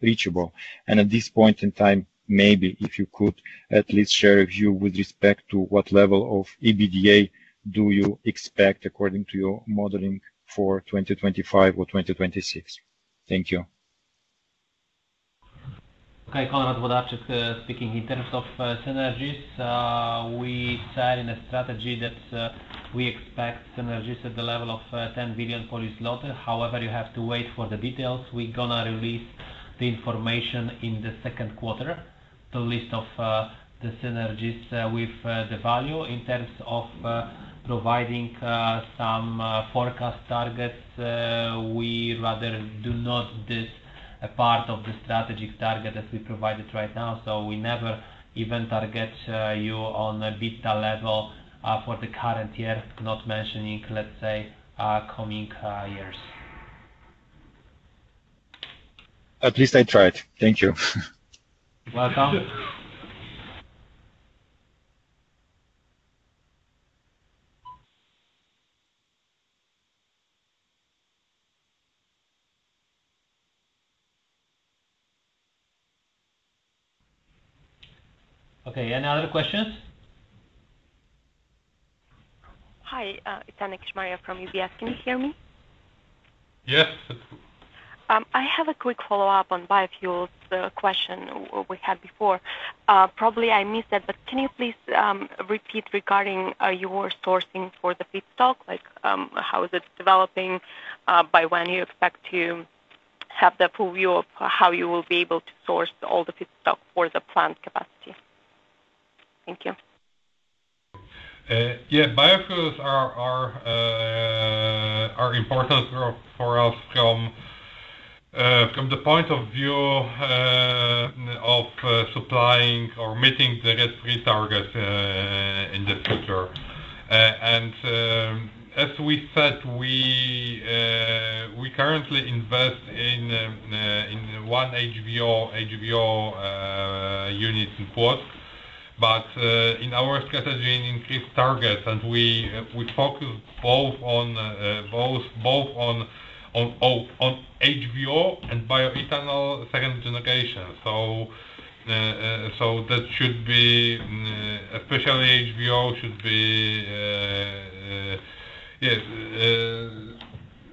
reachable. At this point in time, maybe if you could at least share a view with respect to what level of EBITDA do you expect according to your modeling for 2025 or 2026. Thank you. Okay. Konrad Włodarczyk speaking. In terms of synergies, we said in a strategy that we expect synergies at the level of 10 billion Polish zloty. You have to wait for the details. We're gonna release the information in the second quarter, the list of the synergies with the value. In terms of providing some forecast targets, we rather do not this part of the strategic target as we provided right now. We never even target you on a EBITDA level for the current year, not mentioning, let's say, coming years. At least I tried. Thank you. Welcome. Okay. Any other questions? Hi, it's Anna Kishmariya from UBS. Can you hear me? Yes. I have a quick follow-up on biofuels, the question we had before. Probably I missed that, but can you please repeat regarding your sourcing for the feedstock? Like, how is it developing by when you expect to have the full view of how you will be able to source all the feedstock for the plant capacity? Thank you. Yeah. Biofuels are important for us from the point of view of supplying or meeting the net zero targets in the future. As we said, we currently invest in 1 HVO unit in Płock. In our strategy in increased targets and we focus both on HVO and bioethanol second generation. That should be, especially HVO should be. Yes.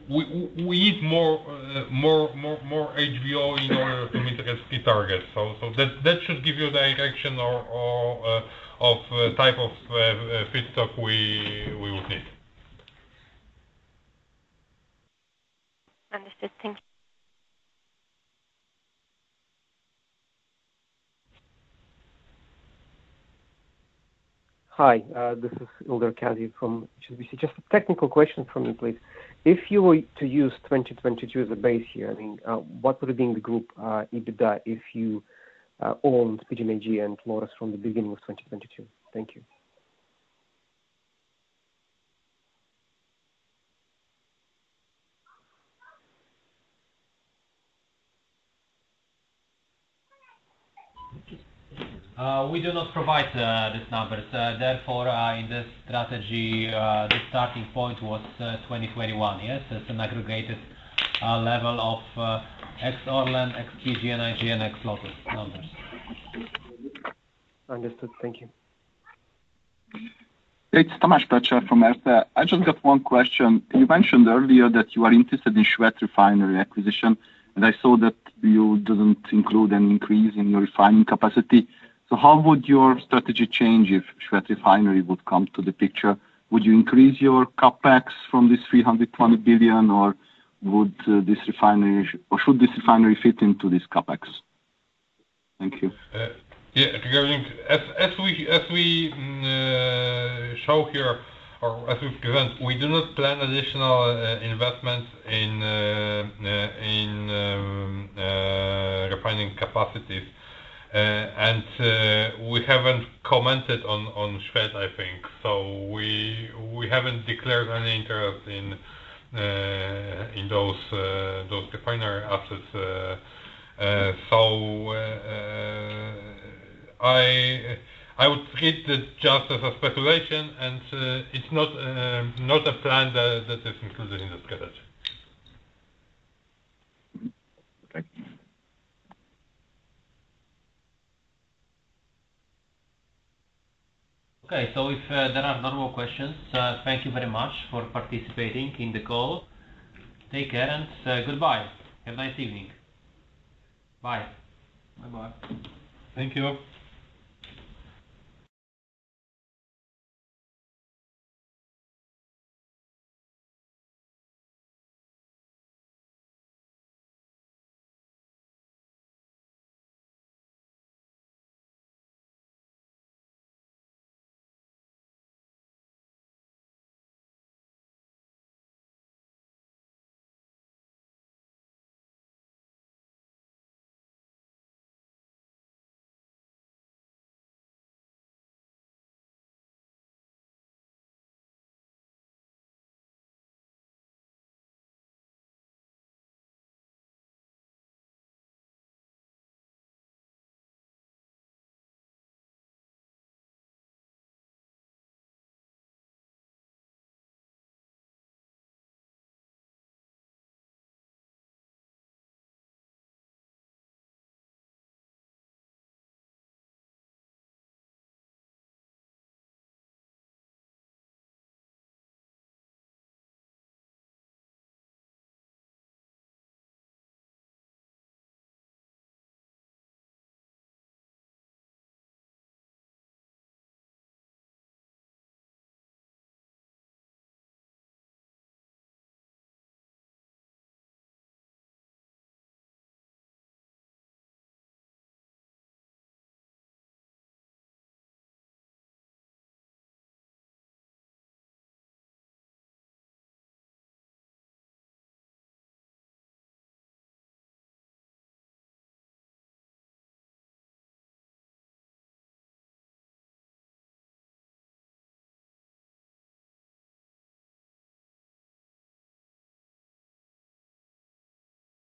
We need more HVO in order to meet the net zero targets. That should give you direction or of type of feedstock we would need. Understood. Thank you. Hi, this is Ildar Khaziev from HSBC. Just a technical question from me, please. If you were to use 2022 as a base year, I mean, what would have been the group EBITDA if you owned PGNiG and LOTOS from the beginning of 2022? Thank you. We do not provide these numbers. Therefore, in this strategy, the starting point was 2021. Yes. It's an aggregated level of ex Orlen, ex PGNiG, and ex Lotos numbers. Understood. Thank you. It's Tamás Pletser from Erste. I just got one question. You mentioned earlier that you are interested in Schwedt Refinery acquisition, and I saw that you didn't include an increase in your refining capacity. How would your strategy change if Schwedt Refinery would come to the picture? Would you increase your CapEx from this 320 billion, or should this refinery fit into this CapEx? Thank you. Yeah, regarding. As we show here or as we've given, we do not plan additional investment in refining capacities. We haven't commented on Schwedt, I think. We haven't declared any interest in those refinery assets. I would treat it just as a speculation and it's not a plan that is included in the strategy. Okay. Okay. If there are no more questions, thank you very much for participating in the call. Take care and goodbye. Have a nice evening. Bye. Bye-bye. Thank you.